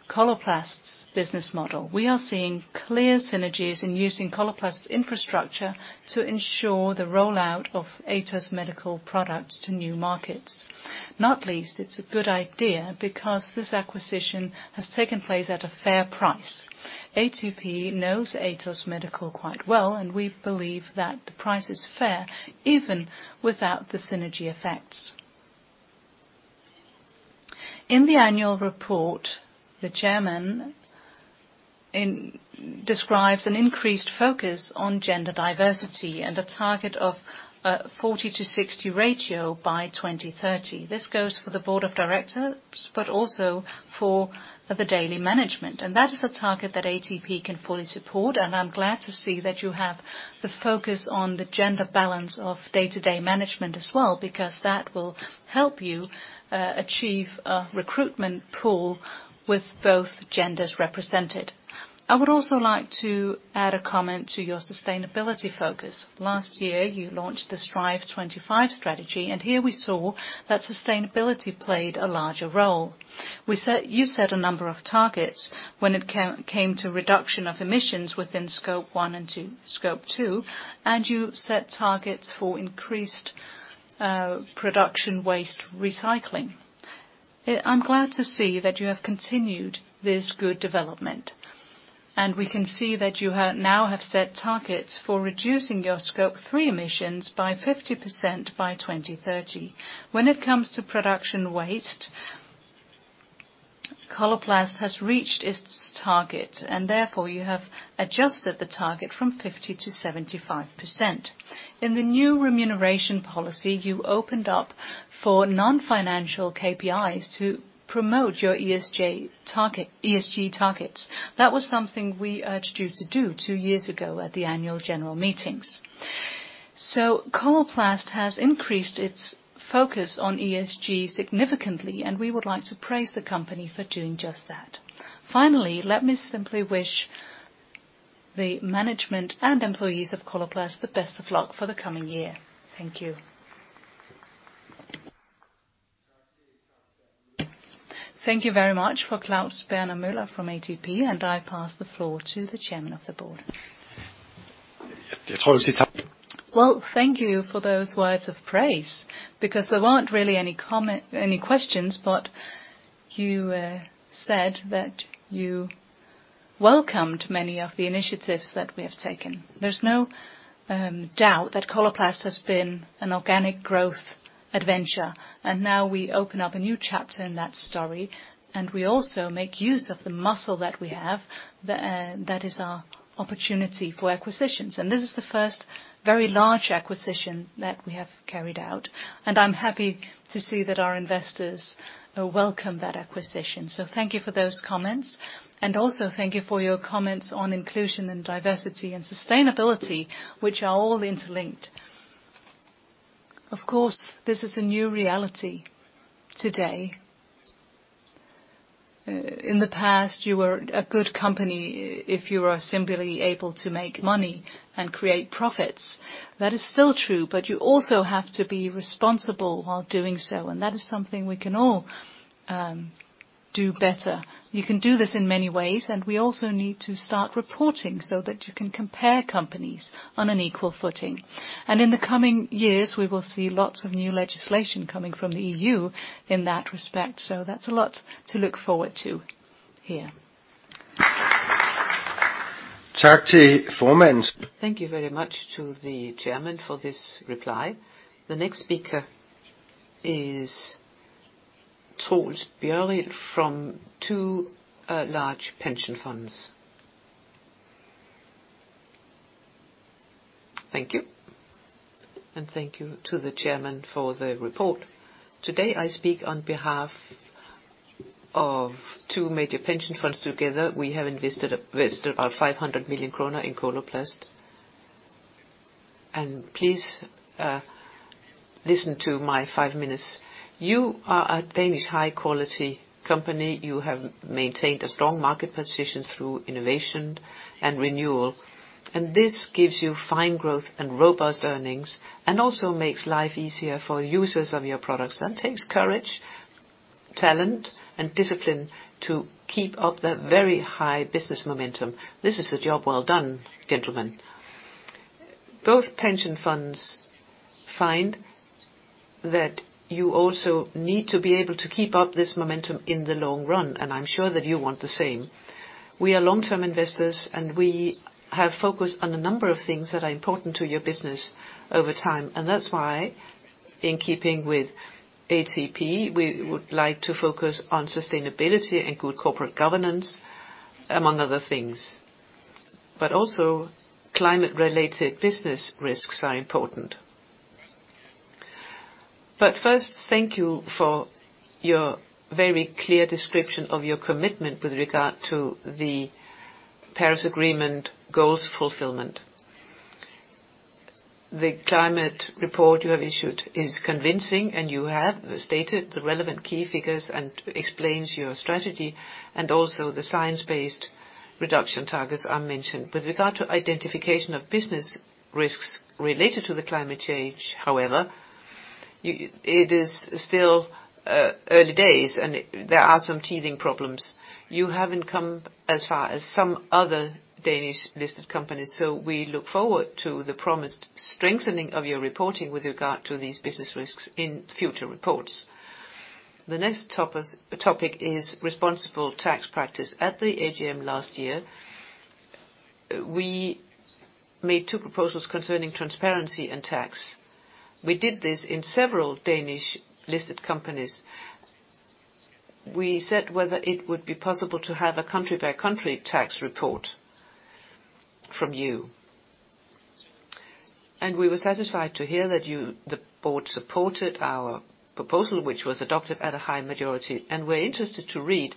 Coloplast's business model. We are seeing clear synergies in using Coloplast's infrastructure to ensure the rollout of Atos Medical products to new markets. Not least, it's a good idea because this acquisition has taken place at a fair price. ATP knows Atos Medical quite well, and we believe that the price is fair, even without the synergy effects. In the annual report, the chairman describes an increased focus on gender diversity and a target of a 40-60 ratio by 2030. This goes for the board of directors, but also for the daily management, and that is a target that ATP can fully support. I'm glad to see that you have the focus on the gender balance of day-to-day management as well, because that will help you achieve a recruitment pool with both genders represented. I would also like to add a comment to your sustainability focus. Last year, you launched the Strive25 strategy, and here we saw that sustainability played a larger role. You set a number of targets when it came to reduction of emissions within Scope one and two, Scope two, and you set targets for increased production waste recycling. I'm glad to see that you have continued this good development, and we can see that you now have set targets for reducing your Scope three emissions by 50% by 2030. When it comes to production waste, Coloplast has reached its target, and therefore, you have adjusted the target from 50 to 75%. In the new remuneration policy, you opened up for non-financial KPIs to promote your ESG targets. That was something we urged you to do two years ago at the annual general meetings. Coloplast has increased its focus on ESG significantly, and we would like to praise the company for doing just that. Let me simply wish the management and employees of Coloplast the best of luck for the coming year. Thank you. Thank you very much for Claus Berner Møller from ATP, and I pass the floor to the chairman of the board. Thank you for those words of praise, because there weren't really any comment, any questions, but you said that.... welcomed many of the initiatives that we have taken. There's no doubt that Coloplast has been an organic growth adventure, and now we open up a new chapter in that story, and we also make use of the muscle that we have that is our opportunity for acquisitions. This is the first very large acquisition that we have carried out, and I'm happy to see that our investors welcome that acquisition. Thank you for those comments. Also thank you for your comments on inclusion, and diversity, and sustainability, which are all interlinked. Of course, this is a new reality today. In the past, you were a good company if you were simply able to make money and create profits. That is still true, but you also have to be responsible while doing so, and that is something we can all do better. You can do this in many ways, and we also need to start reporting so that you can compare companies on an equal footing. In the coming years, we will see lots of new legislation coming from the EU in that respect, so that's a lot to look forward to here. Thank you very much to the chairman for this reply. The next speaker is Troels Børrild from AkademikerPension. Thank you, and thank you to the chairman for the report. Today, I speak on behalf of two major pension funds. Together, we have invested about 500 million kroner in Coloplast. Please listen to my five minutes. You are a Danish high-quality company. You have maintained a strong market position through innovation and renewal, and this gives you fine growth and robust earnings, and also makes life easier for users of your products. That takes courage, talent, and discipline to keep up that very high business momentum. This is a job well done, gentlemen. Both pension funds find that you also need to be able to keep up this momentum in the long run, and I'm sure that you want the same. We are long-term investors. We have focused on a number of things that are important to your business over time, and that's why, in keeping with ATP, we would like to focus on sustainability and good corporate governance, among other things. Also, climate-related business risks are important. First, thank you for your very clear description of your commitment with regard to the Paris Agreement goals fulfillment. The climate report you have issued is convincing. You have stated the relevant key figures, explains your strategy, also the science-based reduction targets are mentioned. With regard to identification of business risks related to the climate change, however, it is still early days, and there are some teething problems. You haven't come as far as some other Danish-listed companies, so we look forward to the promised strengthening of your reporting with regard to these business risks in future reports. The next topic is responsible tax practice. At the AGM last year, we made two proposals concerning transparency and tax. We did this in several Danish-listed companies. We said whether it would be possible to have a country-by-country tax report from you. We were satisfied to hear that you, the board, supported our proposal, which was adopted at a high majority, and we're interested to read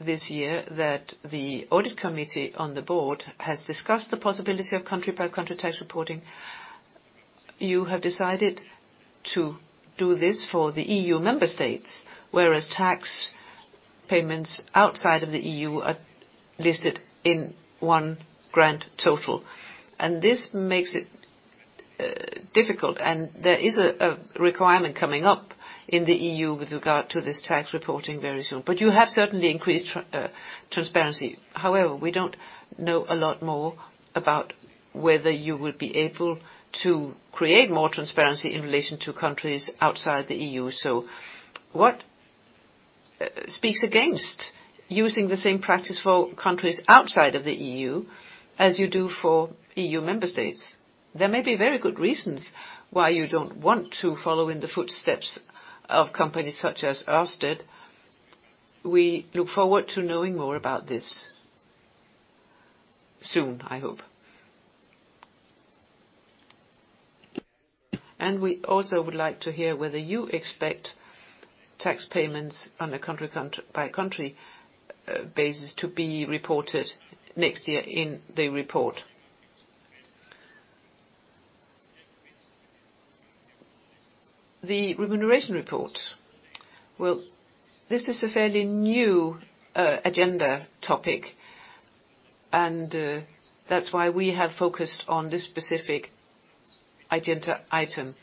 this year that the audit committee on the board has discussed the possibility of country-by-country tax reporting. You have decided to do this for the EU member states, whereas tax payments outside of the EU are listed in one grand total, and this makes it difficult, and there is a requirement coming up in the EU with regard to this tax reporting very soon. You have certainly increased transparency. However, we don't know a lot more about whether you will be able to create more transparency in relation to countries outside the EU. What speaks against using the same practice for countries outside of the EU as you do for EU member states? There may be very good reasons why you don't want to follow in the footsteps of companies such as Ørsted. We look forward to knowing more about this soon, I hope. We also would like to hear whether you expect tax payments on a country-by-country basis to be reported next year in the report. The remuneration report. This is a fairly new agenda topic, that's why we have focused on this specific agenda item.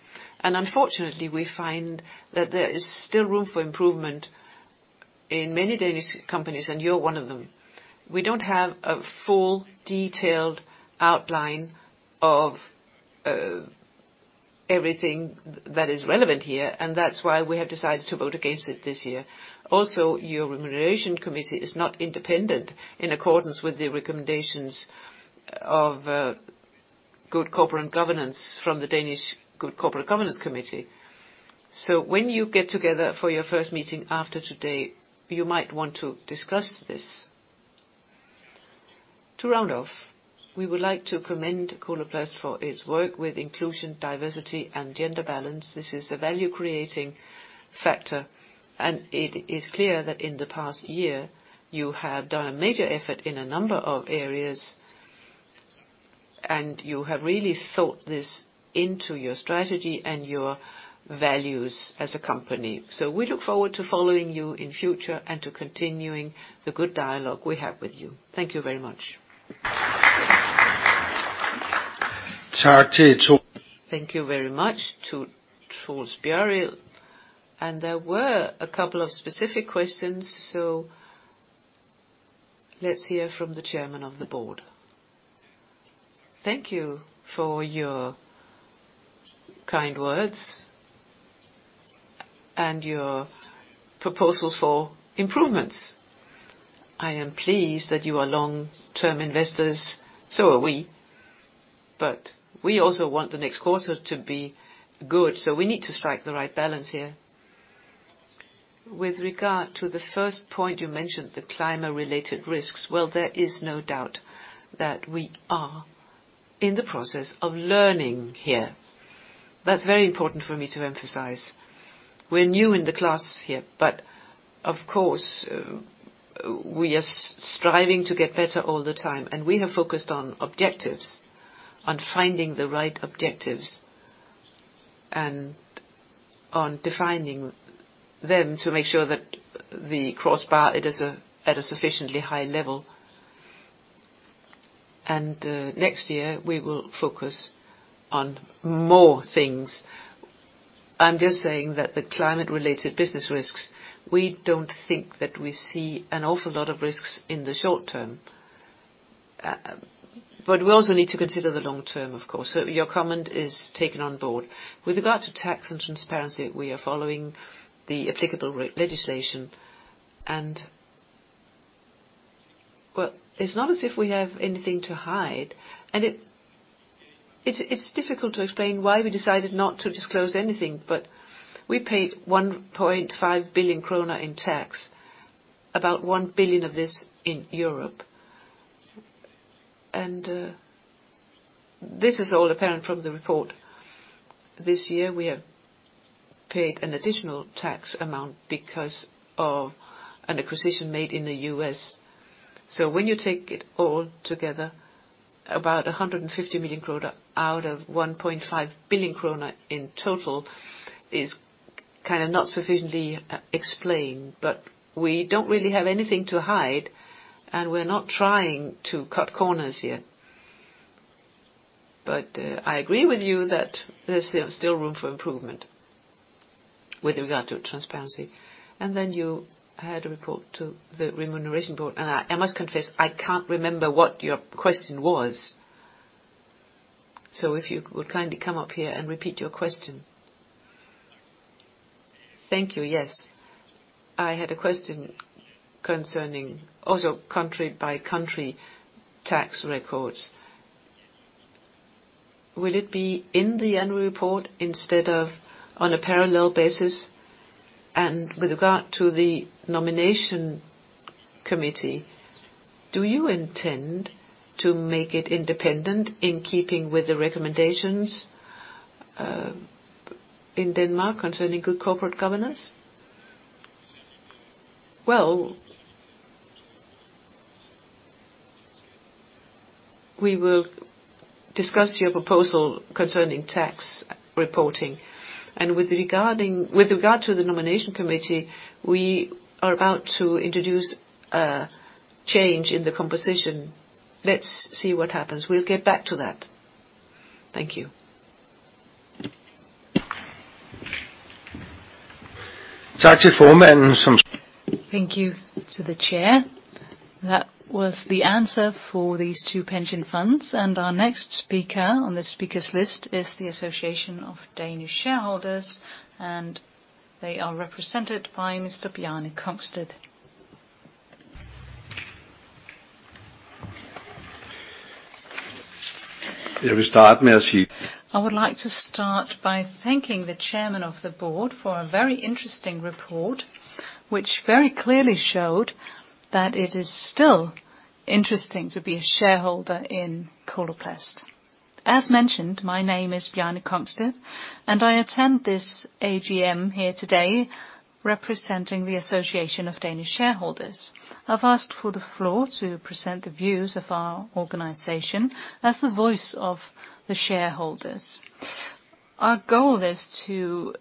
Unfortunately, we find that there is still room for improvement in many Danish companies, and you're one of them. We don't have a full, detailed outline of everything that is relevant here, that's why we have decided to vote against it this year. Also, your Remuneration Committee is not independent in accordance with the recommendations of good corporate governance from the Danish Committee on Corporate Governance. When you get together for your first meeting after today, you might want to discuss this. To round off, we would like to commend Coloplast for its work with inclusion, diversity, and gender balance. This is a value-creating factor, and it is clear that in the past year, you have done a major effort in a number of areas, and you have really thought this into your strategy and your values as a company. We look forward to following you in future and to continuing the good dialogue we have with you. Thank you very much. Thank you very much to Troels. There were a couple of specific questions, let's hear from the chairman of the board. Thank you for your kind words and your proposals for improvements. I am pleased that you are long-term investors, so are we, but we also want the next quarter to be good, so we need to strike the right balance here. With regard to the first point you mentioned, the climate-related risks, well, there is no doubt that we are in the process of learning here. That's very important for me to emphasize. We're new in the class here, but of course, we are striving to get better all the time, and we have focused on objectives, on finding the right objectives, and on defining them to make sure that the crossbar, it is at a sufficiently high level. Next year, we will focus on more things. I'm just saying that the climate-related business risks, we don't think that we see an awful lot of risks in the short term, but we also need to consider the long term, of course, so your comment is taken on board. With regard to tax and transparency, we are following the applicable legislation. Well, it's not as if we have anything to hide, and it's difficult to explain why we decided not to disclose anything, but we paid 1.5 billion krone in tax, about 1 billion of this in Europe. This is all apparent from the report. This year, we have paid an additional tax amount because of an acquisition made in the U.S. When you take it all together, about 150 million kroner out of 1.5 billion kroner in total is kind of not sufficiently explained, but we don't really have anything to hide, and we're not trying to cut corners here. I agree with you that there's still room for improvement with regard to transparency. You had a report to the remuneration board, and I must confess, I can't remember what your question was. If you would kindly come up here and repeat your question. Thank you. Yes. I had a question concerning also country-by-country tax records. Will it be in the annual report instead of on a parallel basis? With regard to the nomination committee, do you intend to make it independent in keeping with the recommendations in Denmark concerning good corporate governance? Well, we will discuss your proposal concerning tax reporting. With regard to the Nomination Committee, we are about to introduce a change in the composition. Let's see what happens. We'll get back to that. Thank you. Thank you to the Chair. That was the answer for these 2 pension funds, and our next speaker on the speakers' list is the Danish Shareholders Association, and they are represented by Mr. Bjarne Kongsted. I would like to start by thanking the chairman of the board for a very interesting report, which very clearly showed that it is still interesting to be a shareholder in Coloplast. As mentioned, my name is Bjarne Kongsted, and I attend this AGM here today representing the Danish Shareholders Association. I've asked for the floor to present the views of our organization as the voice of the shareholders. Our goal is to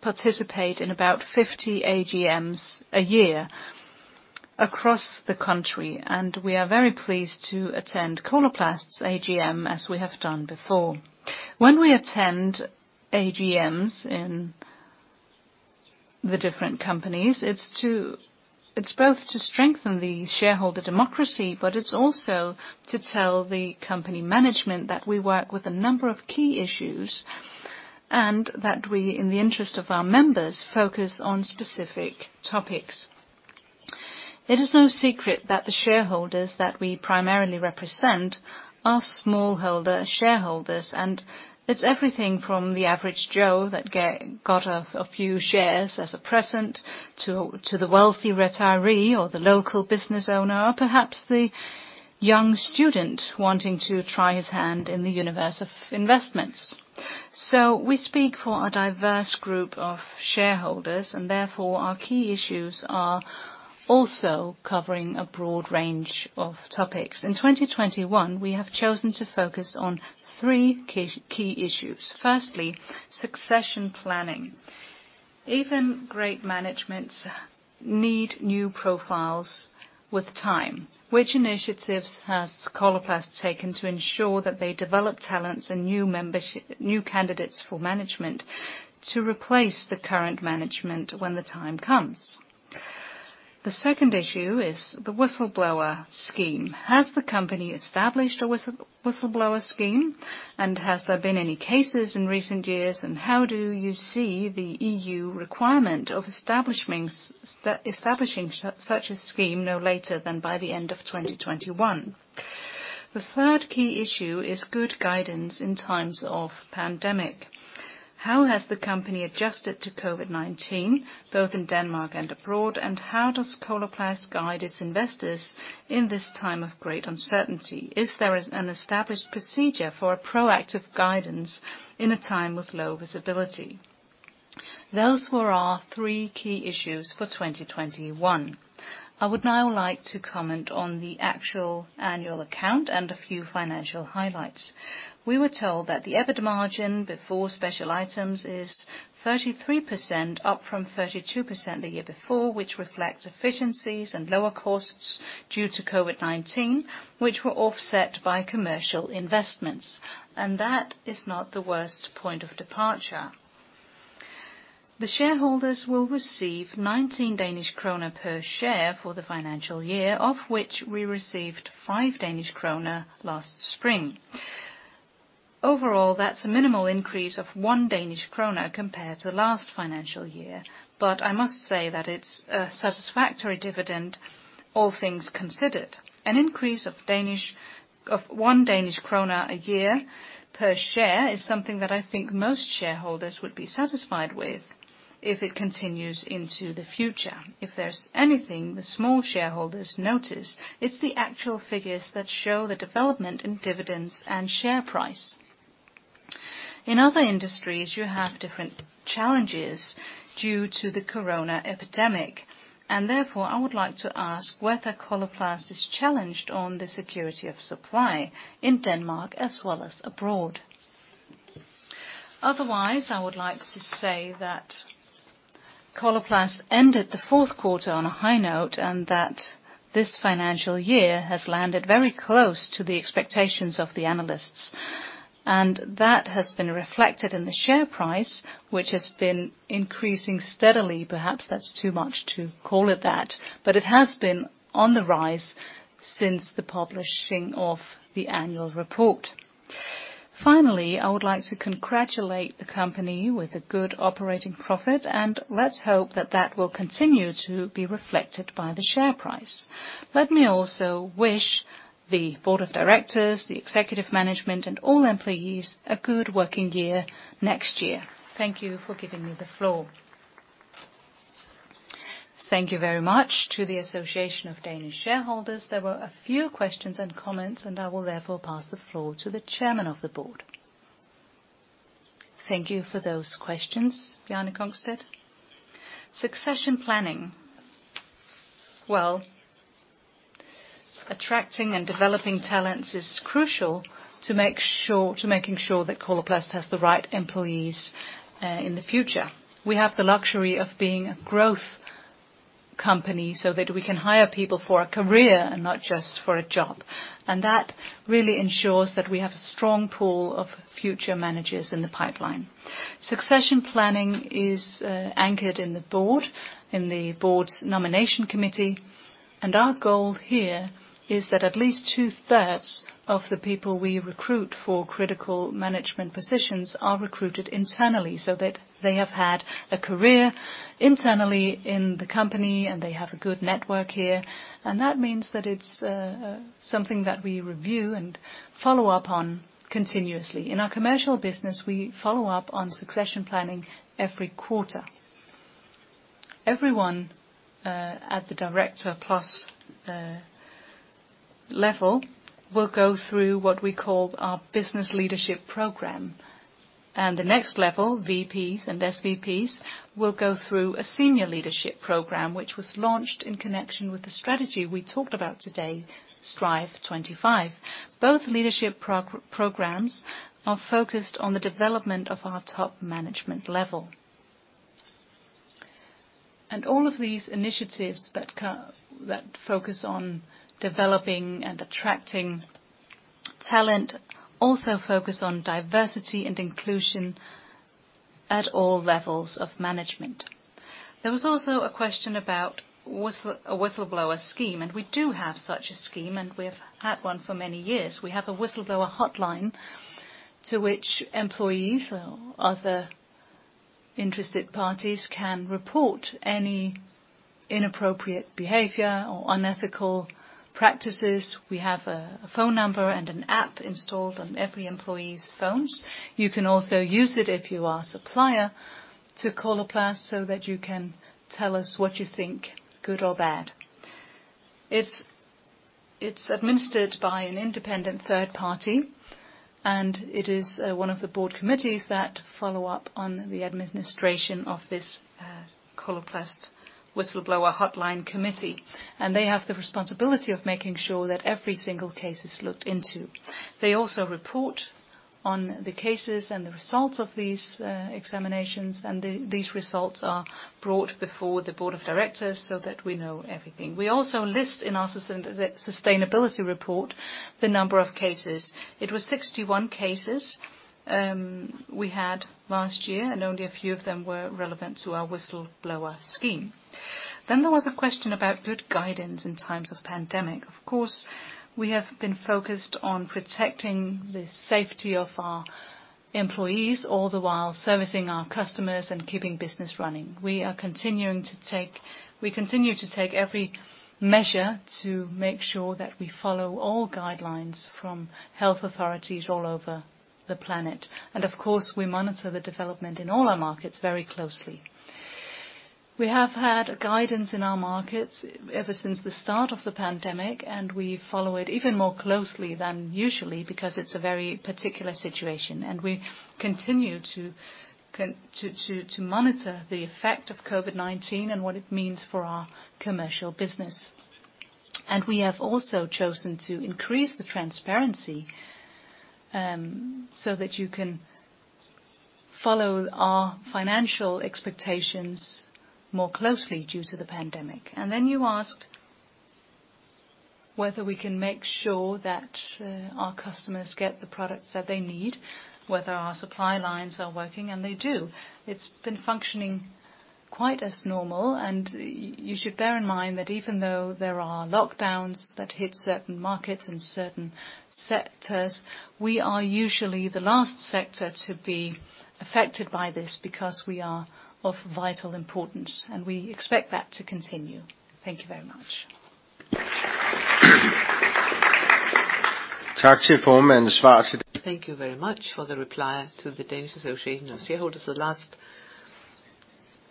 participate in about 50 AGMs a year across the country, and we are very pleased to attend Coloplast's AGM, as we have done before. When we attend AGMs in the different companies, it's both to strengthen the shareholder democracy, but it's also to tell the company management that we work with a number of key issues, and that we, in the interest of our members, focus on specific topics. It is no secret that the shareholders that we primarily represent are smallholder shareholders, it's everything from the average Joe that got a few shares as a present, to the wealthy retiree or the local business owner, or perhaps the young student wanting to try his hand in the universe of investments. We speak for a diverse group of shareholders, therefore, our key issues are also covering a broad range of topics. In 2021, we have chosen to focus on three key issues. Firstly, succession planning. Even great managements need new profiles with time. Which initiatives has Coloplast taken to ensure that they develop talents and new candidates for management to replace the current management when the time comes? The second issue is the whistleblower scheme. Has the company established a whistleblower scheme, and has there been any cases in recent years, and how do you see the EU requirement of establishing such a scheme no later than by the end of 2021? The third key issue is good guidance in times of pandemic. How has the company adjusted to COVID-19, both in Denmark and abroad, and how does Coloplast guide its investors in this time of great uncertainty? Is there an established procedure for a proactive guidance in a time with low visibility? Those were our three key issues for 2021. I would now like to comment on the actual annual account and a few financial highlights. We were told that the EBITDA margin before special items is 33%, up from 32% the year before, which reflects efficiencies and lower costs due to COVID-19, which were offset by commercial investments. That is not the worst point of departure. The shareholders will receive 19 Danish kroner per share for the financial year, of which we received 5 Danish kroner last spring. Overall, that's a minimal increase of 1 Danish kroner compared to the last financial year. I must say that it's a satisfactory dividend, all things considered. An increase of 1 Danish krone a year per share is something that I think most shareholders would be satisfied with if it continues into the future. If there's anything the small shareholders notice, it's the actual figures that show the development in dividends and share price. In other industries, you have different challenges due to the corona epidemic, and therefore, I would like to ask whether Coloplast is challenged on the security of supply in Denmark as well as abroad. Otherwise, I would like to say that Coloplast ended the fourth quarter on a high note, and that this financial year has landed very close to the expectations of the analysts. That has been reflected in the share price, which has been increasing steadily. Perhaps that's too much to call it that, but it has been on the rise since the publishing of the annual report. Finally, I would like to congratulate the company with a good operating profit, and let's hope that that will continue to be reflected by the share price. Let me also wish the board of directors, the executive management, and all employees a good working year next year. Thank you for giving me the floor. Thank you very much to the Association of Danish Shareholders. There were a few questions and comments, and I will therefore pass the floor to the chairman of the board. Thank you for those questions, Bjarne Kongsted. Succession planning. Well, attracting and developing talents is crucial to making sure that Coloplast has the right employees in the future. We have the luxury of being a growth company, so that we can hire people for a career and not just a job, and that really ensures that we have a strong pool of future managers in the pipeline. Succession planning is anchored in the board's nomination committee. Our goal here is that at least two-thirds of the people we recruit for critical management positions are recruited internally, so that they have had a career internally in the company. They have a good network here. That means that it's something that we review and follow up on continuously. In our commercial business, we follow up on succession planning every quarter. Everyone at the director plus level will go through what we call our Business Leadership Program. The next level, VPs and SVPs, will go through a senior leadership program, which was launched in connection with the strategy we talked about today, Strive25. Both leadership programs are focused on the development of our top management level. All of these initiatives that focus on developing and attracting talent also focus on diversity and inclusion at all levels of management. There was also a question about a whistleblower scheme, we do have such a scheme, and we have had one for many years. We have a whistleblower hotline, to which employees or other interested parties can report any inappropriate behavior or unethical practices. We have a phone number and an app installed on every employee's phones. You can also use it if you are a supplier to Coloplast, so that you can tell us what you think, good or bad. It's administered by an independent third party, and it is one of the board committees that follow up on the administration of this Coloplast whistleblower hotline committee. They have the responsibility of making sure that every single case is looked into. They also report on the cases and the results of these examinations. These results are brought before the board of directors. We know everything. We also list in our sustainability report, the number of cases. It was 61 cases we had last year. Only a few of them were relevant to our whistleblower scheme. There was a question about good guidance in times of pandemic. Of course, we have been focused on protecting the safety of our employees, all the while servicing our customers and keeping business running. We continue to take every measure to make sure that we follow all guidelines from health authorities all over the planet. Of course, we monitor the development in all our markets very closely. We have had guidance in our markets ever since the start of the pandemic, and we follow it even more closely than usually, because it's a very particular situation, and we continue to monitor the effect of COVID-19 and what it means for our commercial business. We have also chosen to increase the transparency, so that you can follow our financial expectations more closely due to the pandemic. Then you asked whether we can make sure that our customers get the products that they need, whether our supply lines are working, and they do. It's been functioning quite as normal, and you should bear in mind that even though there are lockdowns that hit certain markets and certain sectors, we are usually the last sector to be affected by this, because we are of vital importance, and we expect that to continue. Thank you very much. Thank you very much for the reply to the Danish Association of Shareholders. The last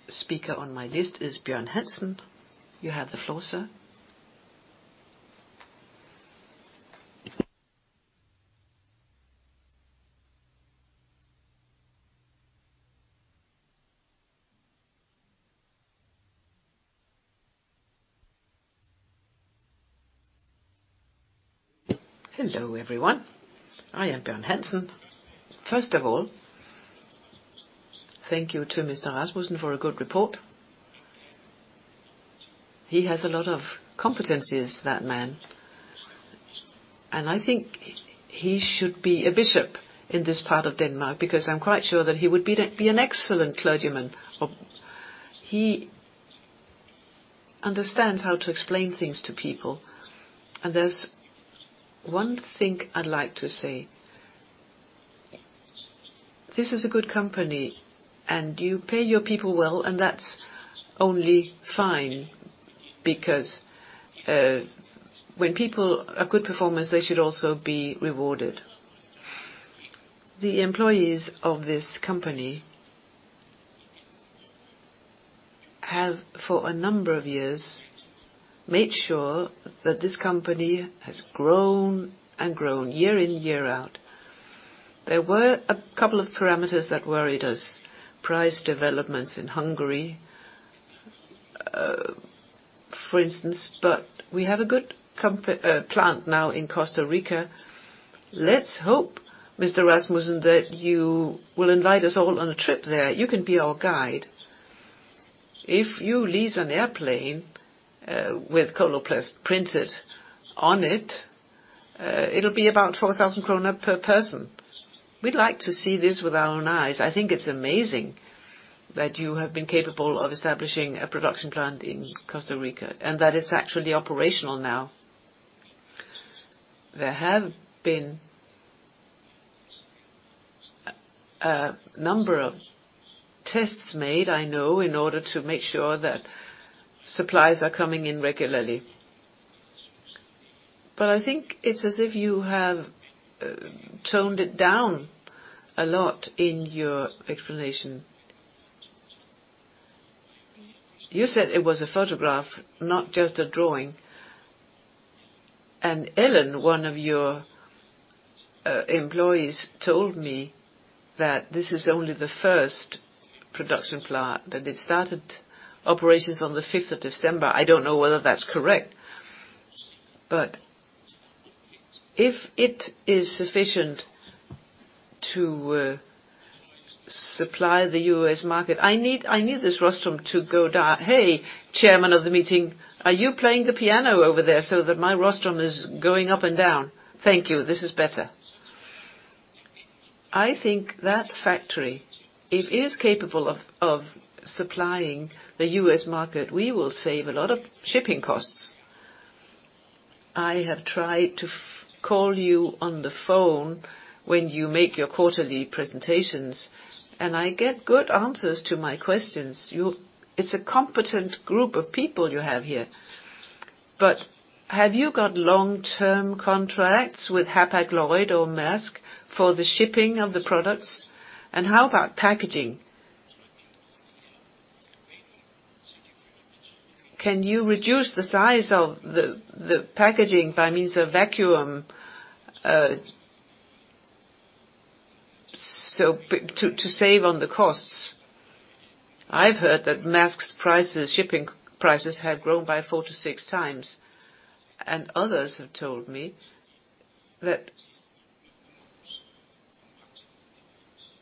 speaker on my list is Bjørn Hansen. You have the floor, sir. Hello, everyone. I am Bjørn Hansen. First of all, thank you to Mr. Rasmussen for a good report. He has a lot of competencies, that man. I think he should be a bishop in this part of Denmark, because I'm quite sure that he would be an excellent clergyman. He understands how to explain things to people, there's one thing I'd like to say. This is a good company, you pay your people well, that's only fine, because when people are good performers, they should also be rewarded. The employees of this company have, for a number of years, made sure that this company has grown and grown, year in, year out. There were 2 parameters that worried us. Price developments in Hungary, for instance, we have a good plant now in Costa Rica. Let's hope, Mr. Rasmussen, that you will invite us all on a trip there. You can be our guide. If you lease an airplane with Coloplast printed on it'll be about 4,000 kroner per person. We'd like to see this with our own eyes. I think it's amazing that you have been capable of establishing a production plant in Costa Rica, and that it's actually operational now. There have been a number of tests made, I know, in order to make sure that supplies are coming in regularly. I think it's as if you have toned it down a lot in your explanation. You said it was a photograph, not just a drawing. Ellen, one of your employees, told me that this is only the first production plant, that it started operations on the 5th of December. I don't know whether that's correct, but if it is sufficient to supply the U.S. market. I need this rostrum to go down. Hey, Chairman of the meeting, are you playing the piano over there so that my rostrum is going up and down? Thank you. This is better. I think that factory, it is capable of supplying the U.S. market. We will save a lot of shipping costs. I have tried to call you on the phone when you make your quarterly presentations, and I get good answers to my questions. It's a competent group of people you have here. Have you got long-term contracts with Hapag-Lloyd or Maersk for the shipping of the products? How about packaging? Can you reduce the size of the packaging by means of vacuum so to save on the costs? I've heard that Maersk's prices, shipping prices, have grown by four to six times, and others have told me that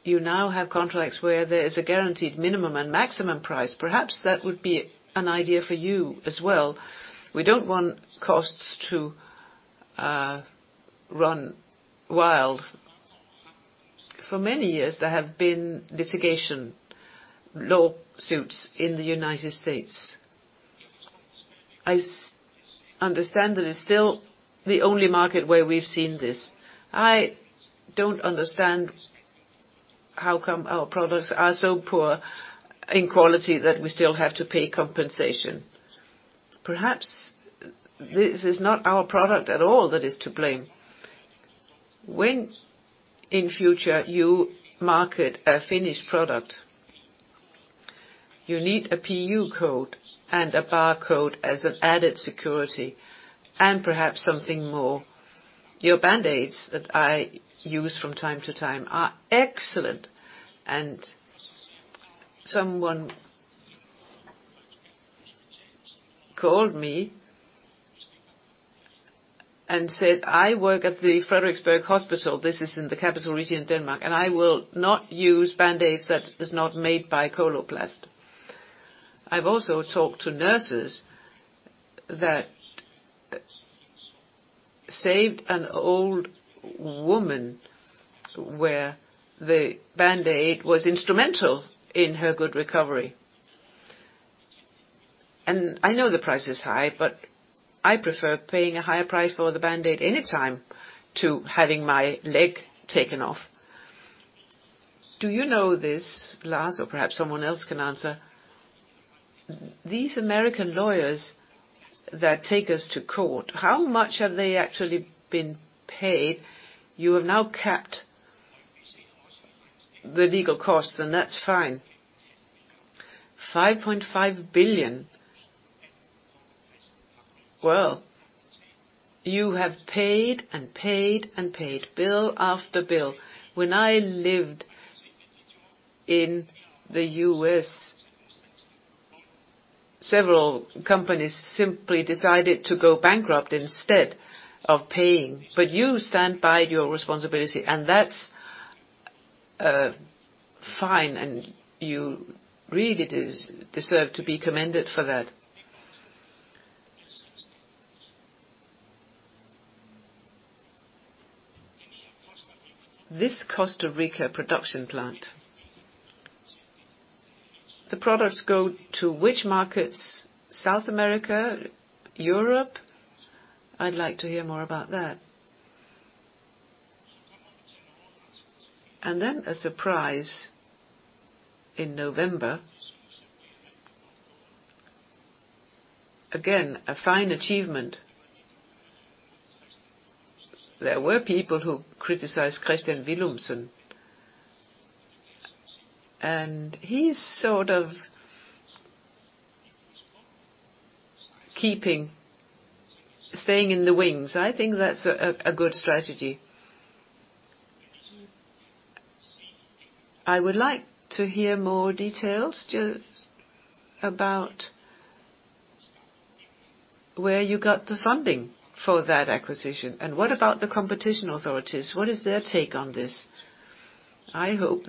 you now have contracts where there is a guaranteed minimum and maximum price. Perhaps that would be an idea for you as well. We don't want costs to run wild. For many years, there have been litigation lawsuits in the United States. I understand that it's still the only market where we've seen this. I don't understand how come our products are so poor in quality that we still have to pay compensation. Perhaps this is not our product at all that is to blame. When in future you market a finished product, you need a PU code and a barcode as an added security and perhaps something more. Your Band-Aids that I use from time to time are excellent, and someone called me and said, "I work at the Frederiksberg Hospital," this is in the Capital Region of Denmark, "and I will not use Band-Aids that is not made by Coloplast." I've also talked to nurses that saved an old woman, where the Band-Aid was instrumental in her good recovery. I know the price is high, but I prefer paying a higher price for the Band-Aid anytime to having my leg taken off. Do you know this, Lars, or perhaps someone else can answer? These American lawyers that take us to court, how much have they actually been paid? You have now capped the legal costs, and that's fine. DKK 5.5 billion. Well, you have paid and paid and paid, bill after bill. When I lived in the U.S., several companies simply decided to go bankrupt instead of paying, but you stand by your responsibility, and that's fine, and you really deserve to be commended for that. This Costa Rica production plant, the products go to which markets? South America, Europe? I'd like to hear more about that. A surprise in November. Again, a fine achievement. There were people who criticized Kristian Villumsen. He's sort of staying in the wings. I think that's a good strategy. I would like to hear more details just about where you got the funding for that acquisition. What about the competition authorities? What is their take on this? I hope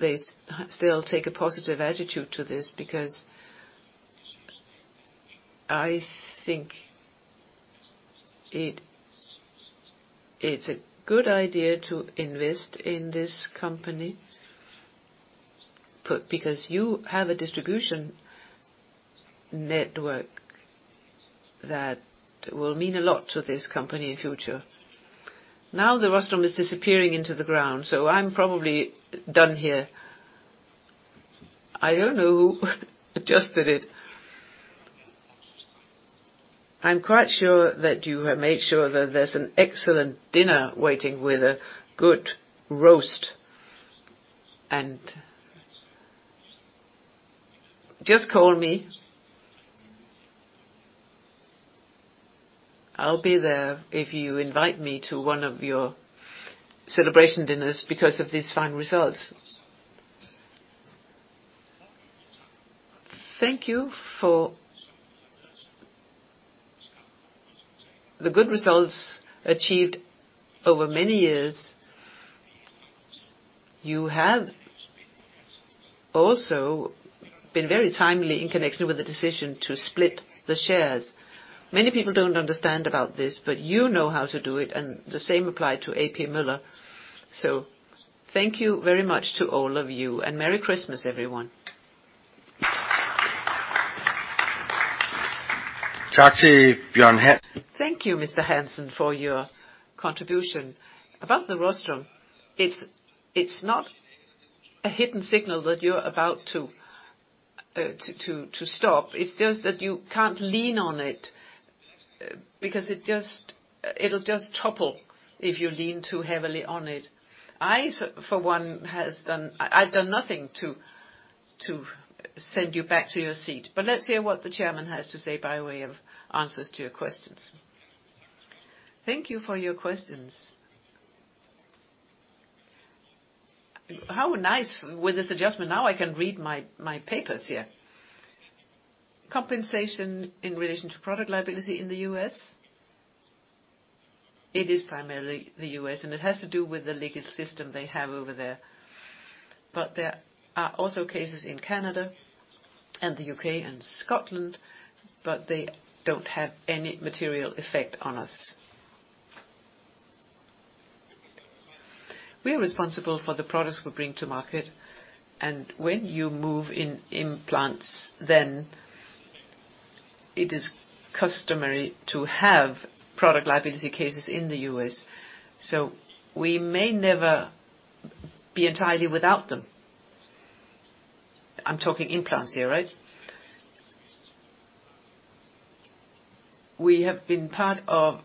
they'll take a positive attitude to this because I think it's a good idea to invest in this company, because you have a distribution network that will mean a lot to this company in future. The rostrum is disappearing into the ground. I'm probably done here. I don't know who adjusted it. I'm quite sure that you have made sure that there's an excellent dinner waiting with a good roast. Just call me. I'll be there if you invite me to one of your celebration dinners because of these fine results. The good results achieved over many years, you have also been very timely in connection with the decision to split the shares. Many people don't understand about this. You know how to do it. The same applied to A.P. Møller. Thank you very much to all of you, and merry Christmas, everyone. Thank you, Bjørn Hansen. Thank you, Mr. Hansen, for your contribution. About the rostrum, it's not a hidden signal that you're about to stop. It's just that you can't lean on it, because it'll just topple if you lean too heavily on it. I, for one, I've done nothing to send you back to your seat. Let's hear what the chairman has to say by way of answers to your questions. Thank you for your questions. How nice, with this adjustment, now I can read my papers here. Compensation in relation to product liability in the US? It is primarily the US. It has to do with the legal system they have over there. There are also cases in Canada, and the UK, and Scotland, but they don't have any material effect on us. We are responsible for the products we bring to market. When you move in implants, it is customary to have product liability cases in the U.S. We may never be entirely without them. I'm talking implants here, right? We have been part of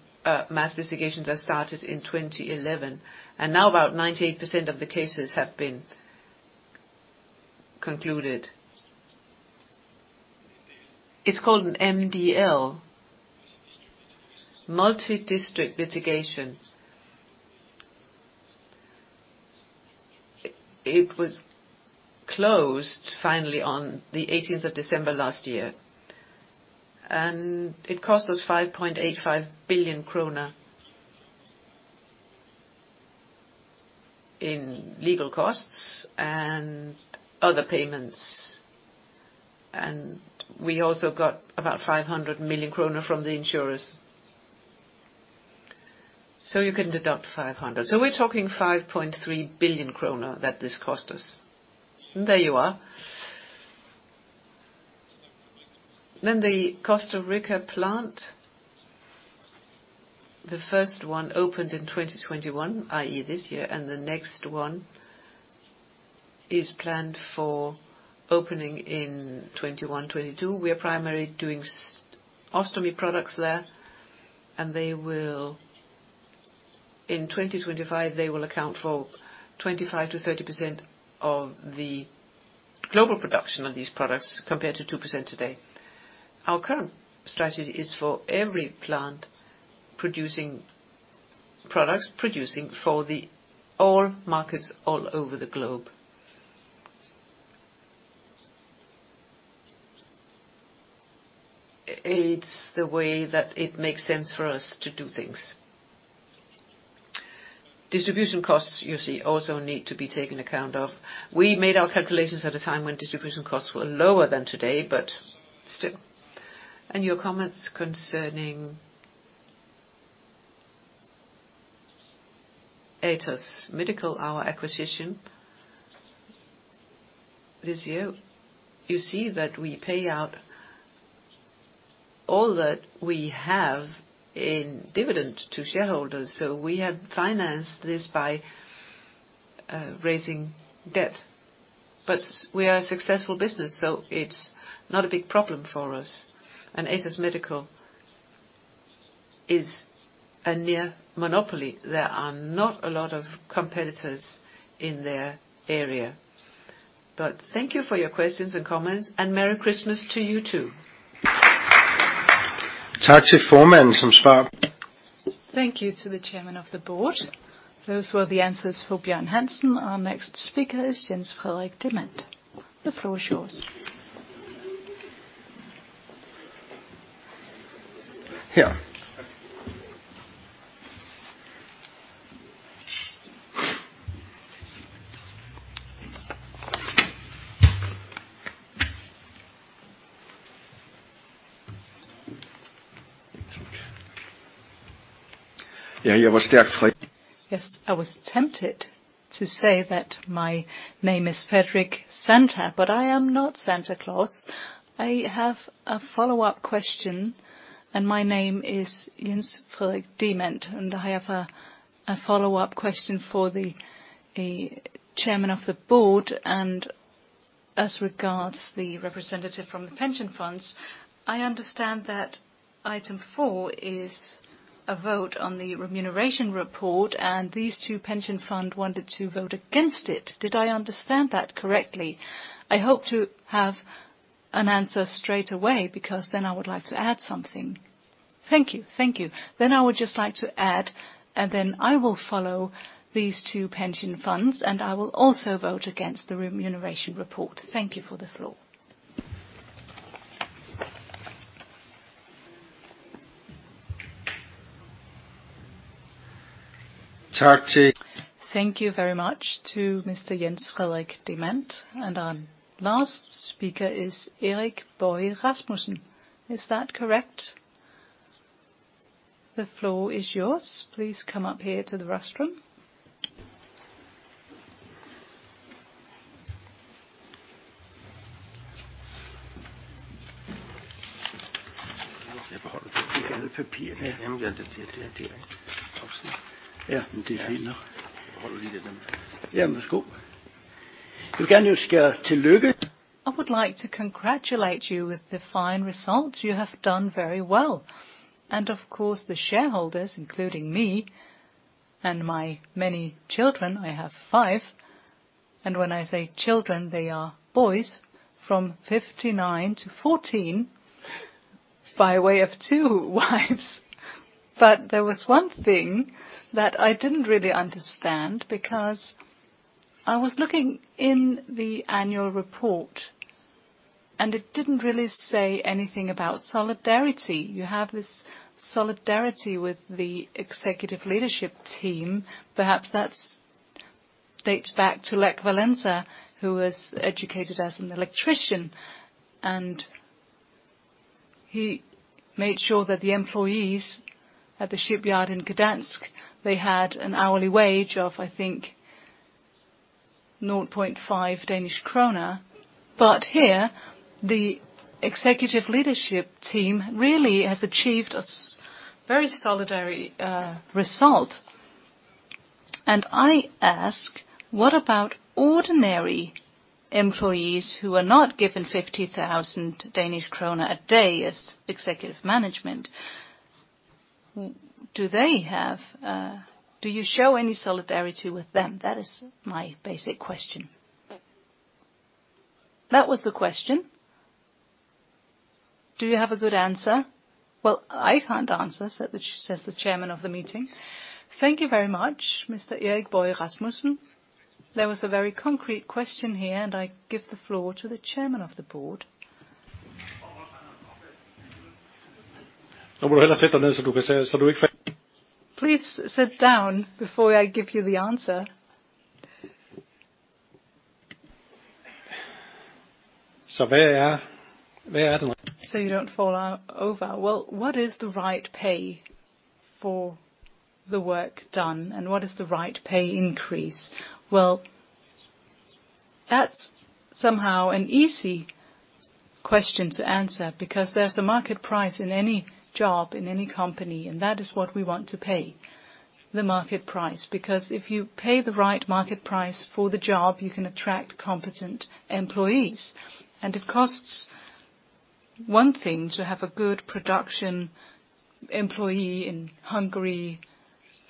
mass litigations that started in 2011. Now about 98% of the cases have been concluded. It's called an MDL, Multi-District Litigation. It was closed finally on the 18th of December last year. It cost us 5.85 billion kroner in legal costs and other payments. We also got about 500 million kroner from the insurers. You can deduct 500 million. We're talking 5.3 billion kroner that this cost us. There you are. The Costa Rica plant, the first one opened in 2021, i.e., this year, and the next one is planned for opening in 2021, 2022. We are primarily doing ostomy products there, and they will. In 2025, they will account for 25%-30% of the global production of these products, compared to 2% today. Our current strategy is for every plant producing products, producing for the all markets all over the globe. It's the way that it makes sense for us to do things. Distribution costs, you see, also need to be taken account of. We made our calculations at a time when distribution costs were lower than today, but still. Your comments concerning Atos Medical, our acquisition this year. You see that we pay out all that we have in dividend to shareholders, so we have financed this by raising debt. We are a successful business, so it's not a big problem for us. Atos Medical is a near monopoly. There are not a lot of competitors in their area. Thank you for your questions and comments, and merry Christmas to you, too. Thank you to the Chairman of the Board. Those were the answers for Bjørn Hansen. Our next speaker is Jens Frederik Demant. The floor is yours. Yeah. Yes, I was tempted to say that my name is Frederik Santa, but I am not Santa Claus. I have a follow-up question, and my name is Jens Frederik Demant. I have a follow-up question for the chairman of the board. As regards the representative from the pension funds, I understand that item 4 is a vote on the remuneration report, and these 2 pension fund wanted to vote against it. Did I understand that correctly? I hope to have an answer straight away, because then I would like to add something. Thank you. Thank you. I would just like to add, and then I will follow these 2 pension funds, and I will also vote against the remuneration report. Thank you for the floor.... Thank you very much to Mr Jens Frederik Demant. Our last speaker is Erik Boje Rasmussen. Is that correct? The floor is yours. Please come up here to the rostrum. I would like to congratulate you with the fine results. You have done very well, and of course, the shareholders, including me and my many children, I have 5, and when I say children, they are boys from 59 to 14, by way of two wives. There was one thing that I didn't really understand, because I was looking in the annual report, and it didn't really say anything about solidarity. You have this solidarity with the executive leadership team. Perhaps that dates back to Lech Wałęsa, who was educated as an electrician, and he made sure that the employees at the shipyard in Gdansk, they had an hourly wage of, I think, 0.5 Danish krone. Here, the executive leadership team really has achieved a very solidary result. I ask, what about ordinary employees who are not given 50,000 Danish krone a day as executive management? Do you show any solidarity with them? That is my basic question. That was the question. Do you have a good answer? I can't answer, says the chairman of the meeting. Thank you very much, Mr. Erik Boje Rasmussen. That was a very concrete question here. I give the floor to the chairman of the board. Please sit down before I give you the answer. You don't fall over. What is the right pay for the work done? What is the right pay increase? That's somehow an easy question to answer, because there's a market price in any job, in any company. That is what we want to pay, the market price. If you pay the right market price for the job, you can attract competent employees, and it costs one thing to have a good production employee in Hungary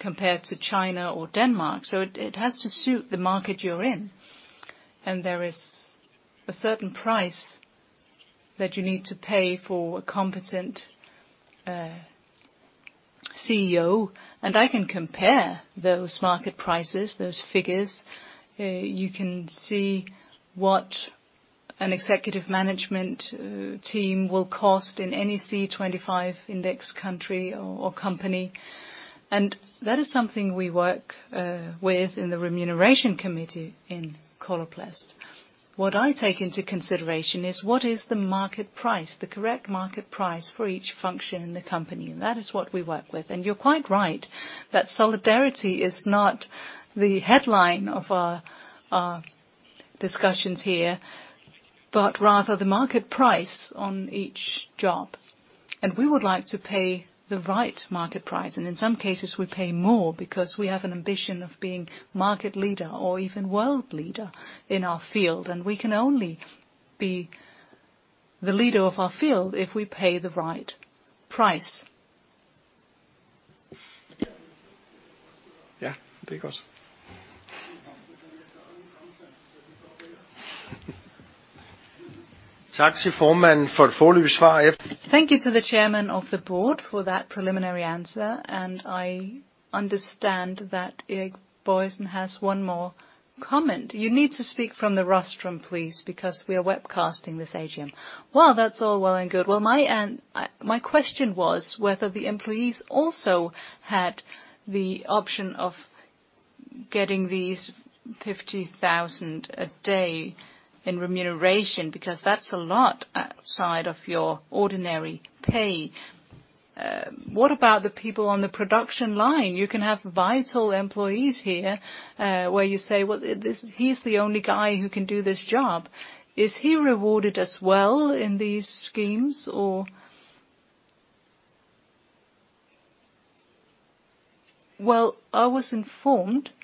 compared to China or Denmark, so it has to suit the market you're in. There is a certain price that you need to pay for a competent CEO, and I can compare those market prices, those figures. You can see what an executive management team will cost in any C25 Index country or company, and that is something we work with in the Remuneration Committee in Coloplast. What I take into consideration is: what is the market price, the correct market price for each function in the company? That is what we work with. You're quite right, that solidarity is not the headline of our discussions here, but rather the market price on each job. We would like to pay the right market price, and in some cases, we pay more because we have an ambition of being market leader or even world leader in our field, and we can only be the leader of our field if we pay the right price. Yeah, because. Thank you to the Chairman of the Board for that preliminary answer. I understand that Erik Boje has one more comment. You need to speak from the rostrum, please, because we are webcasting this AGM. Well, that's all well and good. Well, my question was whether the employees also had the option of getting these 50,000 a day in remuneration, because that's a lot outside of your ordinary pay. What about the people on the production line? You can have vital employees here, where you say: "Well, this, he's the only guy who can do this job." Is he rewarded as well in these schemes, or...? Well, I was informed... that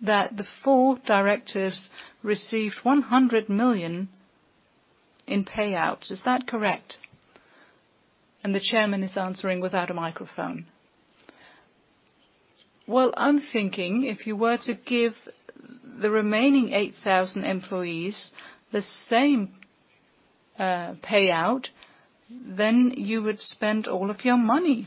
the four directors received 100 million in payouts. Is that correct? The Chairman is answering without a microphone. Well, I'm thinking if you were to give the remaining 8,000 employees the same-... payout, then you would spend all of your money.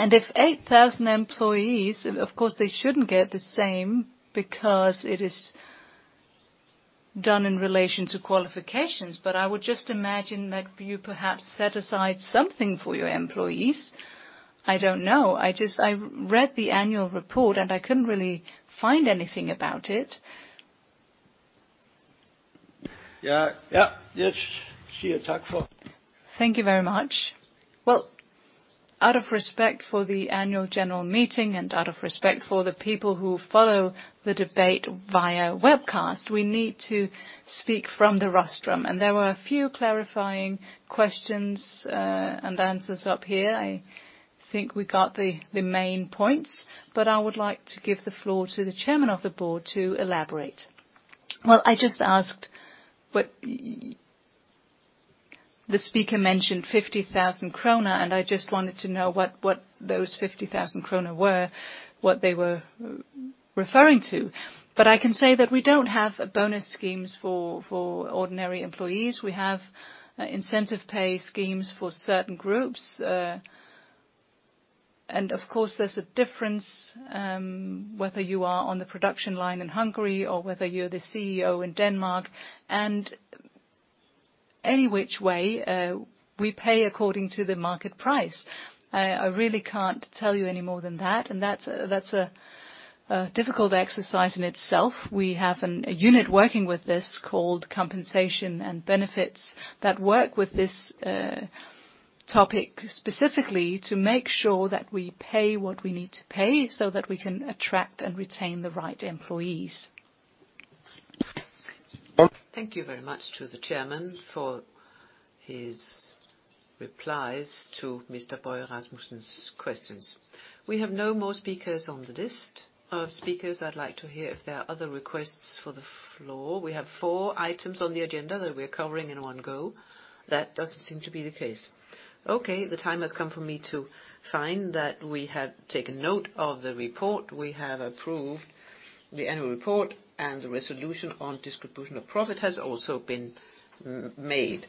If 8,000 employees, of course, they shouldn't get the same because it is done in relation to qualifications. I would just imagine that you perhaps set aside something for your employees. I don't know. I just read the annual report. I couldn't really find anything about it. Yeah, yeah. Yes, ja tak. Thank you very much. Well, out of respect for the annual general meeting, and out of respect for the people who follow the debate via webcast, we need to speak from the rostrum. There were a few clarifying questions and answers up here. I think we got the main points, but I would like to give the floor to the Chairman of the Board to elaborate. I just asked what. The speaker mentioned 50,000 krone, and I just wanted to know what those 50,000 krone were, what they were referring to. I can say that we don't have bonus schemes for ordinary employees. We have incentive pay schemes for certain groups. And of course, there's a difference whether you are on the production line in Hungary or whether you're the CEO in Denmark, and any which way, we pay according to the market price. I really can't tell you any more than that, and that's a difficult exercise in itself. We have a unit working with this called Compensation & Benefits, that work with this topic specifically to make sure that we pay what we need to pay, so that we can attract and retain the right employees. Thank you very much to the chairman for his replies to Mr. Boje Rasmussen's questions. We have no more speakers on the list of speakers. I'd like to hear if there are other requests for the floor. We have four items on the agenda that we're covering in one go. That doesn't seem to be the case. Okay, the time has come for me to find that we have taken note of the report. We have approved the annual report, and the resolution on distribution of profit has also been made.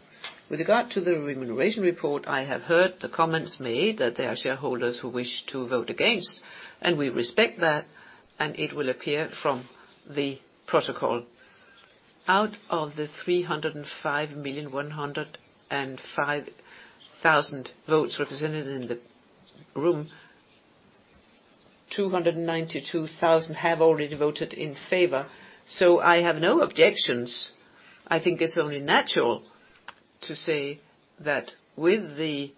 With regard to the remuneration report, I have heard the comments made, that there are shareholders who wish to vote against, and we respect that, and it will appear from the protocol. Out of the 305 million 105,000 votes represented in the room, 292,000 have already voted in favor. I have no objections. I think it's only natural to say that with the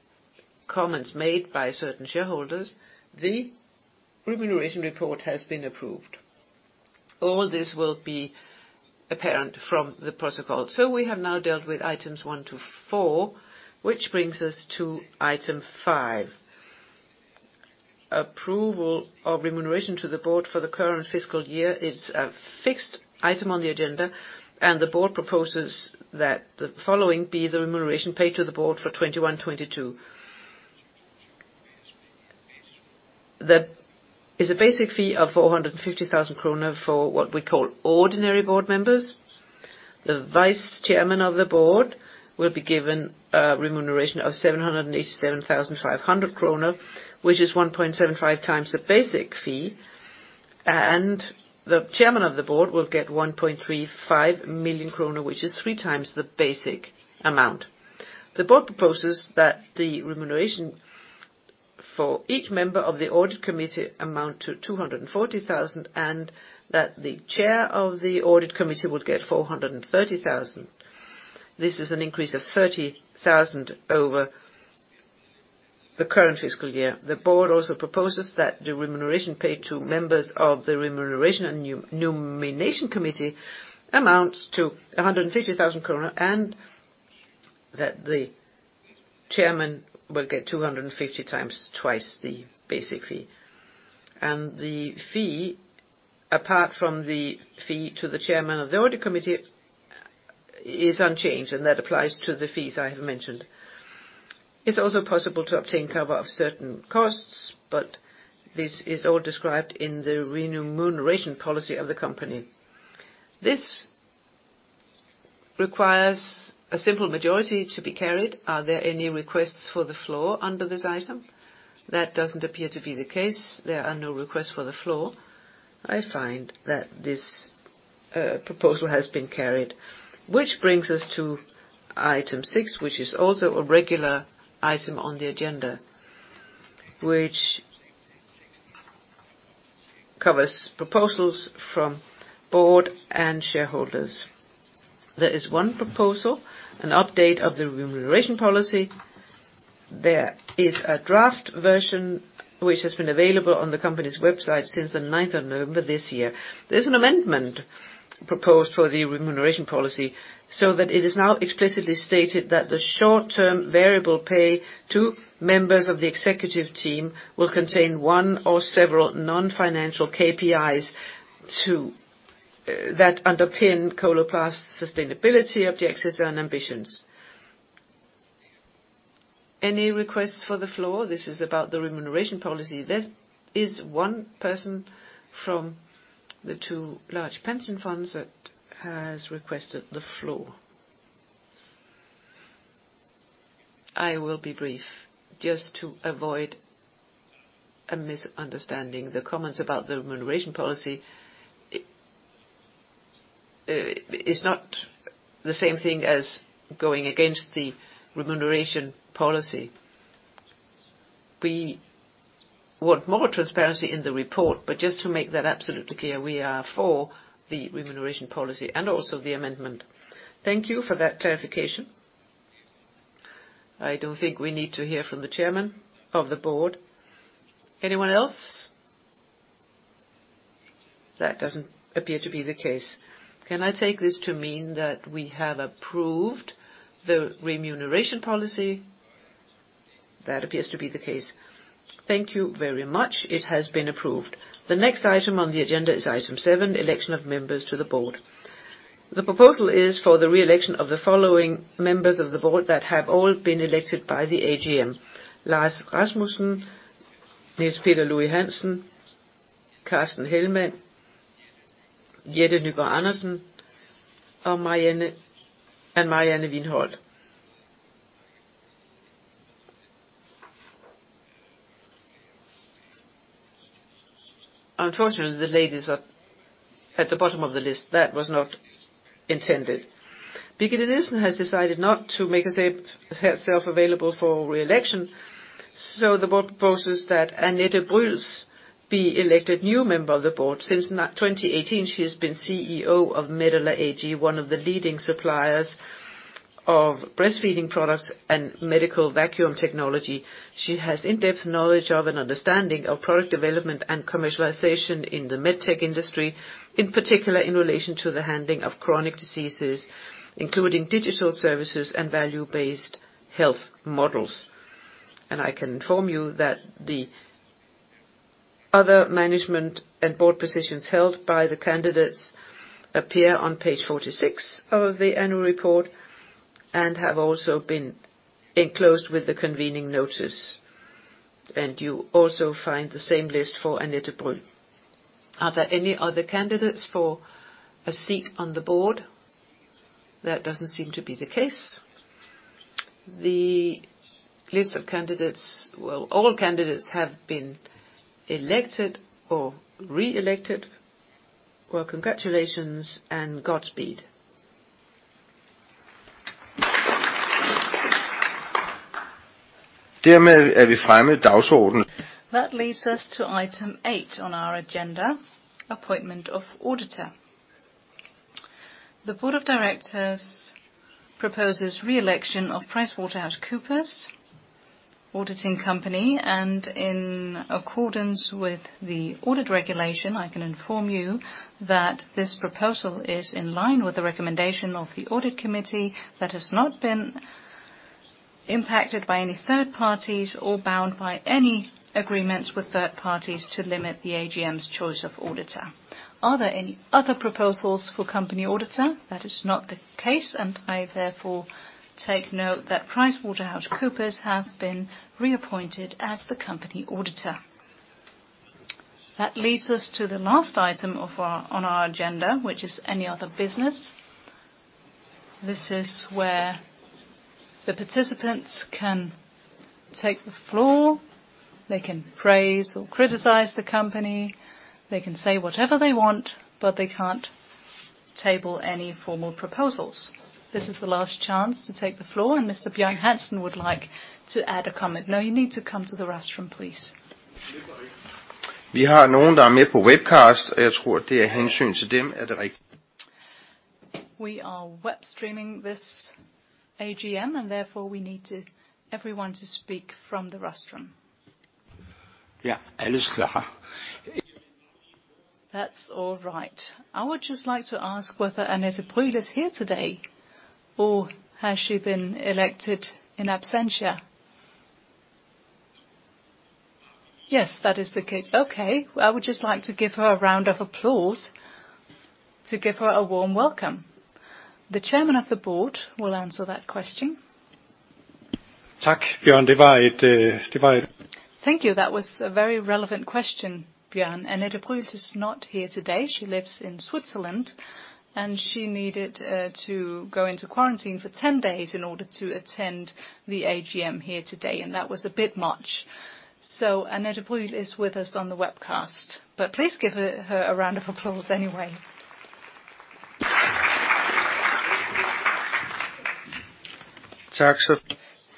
comments made by certain shareholders, the remuneration report has been approved. All this will be apparent from the protocol. We have now dealt with items 1 to 4, which brings us to item 5. Approval of remuneration to the board for the current fiscal year is a fixed item on the agenda. The board proposes that the following be the remuneration paid to the board for 2021, 2022. Is a basic fee of 450,000 kroner for what we call ordinary board members. The vice chairman of the board will be given a remuneration of 787,500 kroner, which is 1.75 times the basic fee. The chairman of the board will get 1.35 million kroner, which is three times the basic amount. The board proposes that the remuneration for each member of the audit committee amount to 240,000. The chair of the audit committee will get 430,000. This is an increase of 30,000 over the current fiscal year. The board also proposes that the remuneration paid to members of the Remuneration and Nomination Committee amounts to 150,000 kroner. The chairman will get 250 times, twice the basic fee. The fee, apart from the fee to the chairman of the audit committee, is unchanged, and that applies to the fees I have mentioned. It's also possible to obtain cover of certain costs, this is all described in the remuneration policy of the company. This requires a simple majority to be carried. Are there any requests for the floor under this item? That doesn't appear to be the case. There are no requests for the floor. I find that this proposal has been carried. This brings us to item 6, which is also a regular item on the agenda, which covers proposals from Board and shareholders. There is 1 proposal, an update of the remuneration policy. There is a draft version, which has been available on the company's website since the 9th of November this year. There's an amendment proposed for the remuneration policy, so that it is now explicitly stated that the short-term variable pay to members of the executive team will contain one or several non-financial KPIs That underpin Coloplast sustainability, objectives, and ambitions. Any requests for the floor? This is about the remuneration policy. There is one person from the two large pension funds that has requested the floor. I will be brief, just to avoid a misunderstanding. The comments about the remuneration policy, it is not the same thing as going against the remuneration policy. We want more transparency in the report, just to make that absolutely clear, we are for the remuneration policy and also the amendment. Thank you for that clarification. I don't think we need to hear from the Chairman of the Board. Anyone else? That doesn't appear to be the case. Can I take this to mean that we have approved the remuneration policy? That appears to be the case. Thank you very much. It has been approved. The next item on the agenda is item seven: election of members to the Board. The proposal is for the re-election of the following members of the Board that have all been elected by the AGM. Lars Rasmussen, Niels Peter Louis-Hansen, Carsten Hellmann, Jette Nygaard-Andersen, and Marianne Wiinholt. Unfortunately, the ladies are at the bottom of the list. That was not intended. Birgitte Nielsen has decided not to make herself available for re-election, so the Board proposes that Annette Brüls be elected new member of the Board. Since 2018, she has been CEO of Medela AG, one of the leading suppliers of breastfeeding products and medical vacuum technology. She has in-depth knowledge of and understanding of product development and commercialization in the med tech industry, in particular, in relation to the handling of chronic diseases, including digital services and value-based health models. I can inform you that the other management and board positions held by the candidates appear on page 46 of the annual report, and have also been enclosed with the convening notice. You also find the same list for Annette Brüls. Are there any other candidates for a seat on the board? That doesn't seem to be the case. All candidates have been elected or re-elected. Congratulations, and Godspeed. That leads us to item 8 on our agenda: appointment of auditor. The board of directors proposes re-election of PricewaterhouseCoopers Statsautoriseret Revisionspartnerselskab. In accordance with the audit regulation, I can inform you that this proposal is in line with the recommendation of the audit committee that has not been impacted by any third parties or bound by any agreements with third parties to limit the AGM's choice of auditor. Are there any other proposals for company auditor? That is not the case. I therefore take note that PricewaterhouseCoopers have been reappointed as the company auditor. That leads us to the last item on our agenda, which is any other business. This is where the participants can take the floor, they can praise or criticize the company, they can say whatever they want. They can't table any formal proposals. This is the last chance to take the floor. Mr. Bjørn Hansen would like to add a comment. No, you need to come to the rostrum, please. We are web streaming this AGM, and therefore, we need everyone to speak from the rostrum. That's all right. I would just like to ask whether Annette Brüls is here today, or has she been elected in absentia? Yes, that is the case. Okay, I would just like to give her a round of applause to give her a warm welcome. The chairman of the board will answer that question. Thank you. That was a very relevant question, Bjørn. Annette Brüls is not here today. She lives in Switzerland, and she needed to go into quarantine for 10 days in order to attend the AGM here today, and that was a bit much. Annette Brüls is with us on the webcast, but please give her a round of applause anyway.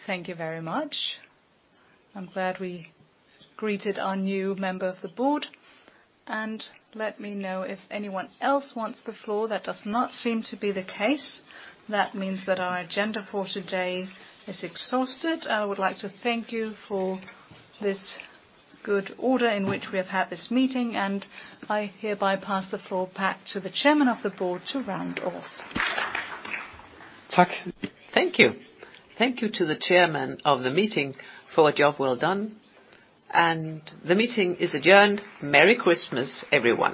Thank you very much. I'm glad we greeted our new member of the board. Let me know if anyone else wants the floor. That does not seem to be the case. That means that our agenda for today is exhausted. I would like to thank you for this good order in which we have had this meeting, and I hereby pass the floor back to the Chairman of the Board to round off. Thank you. Thank you to the chairman of the meeting for a job well done. The meeting is adjourned. Merry Christmas, everyone.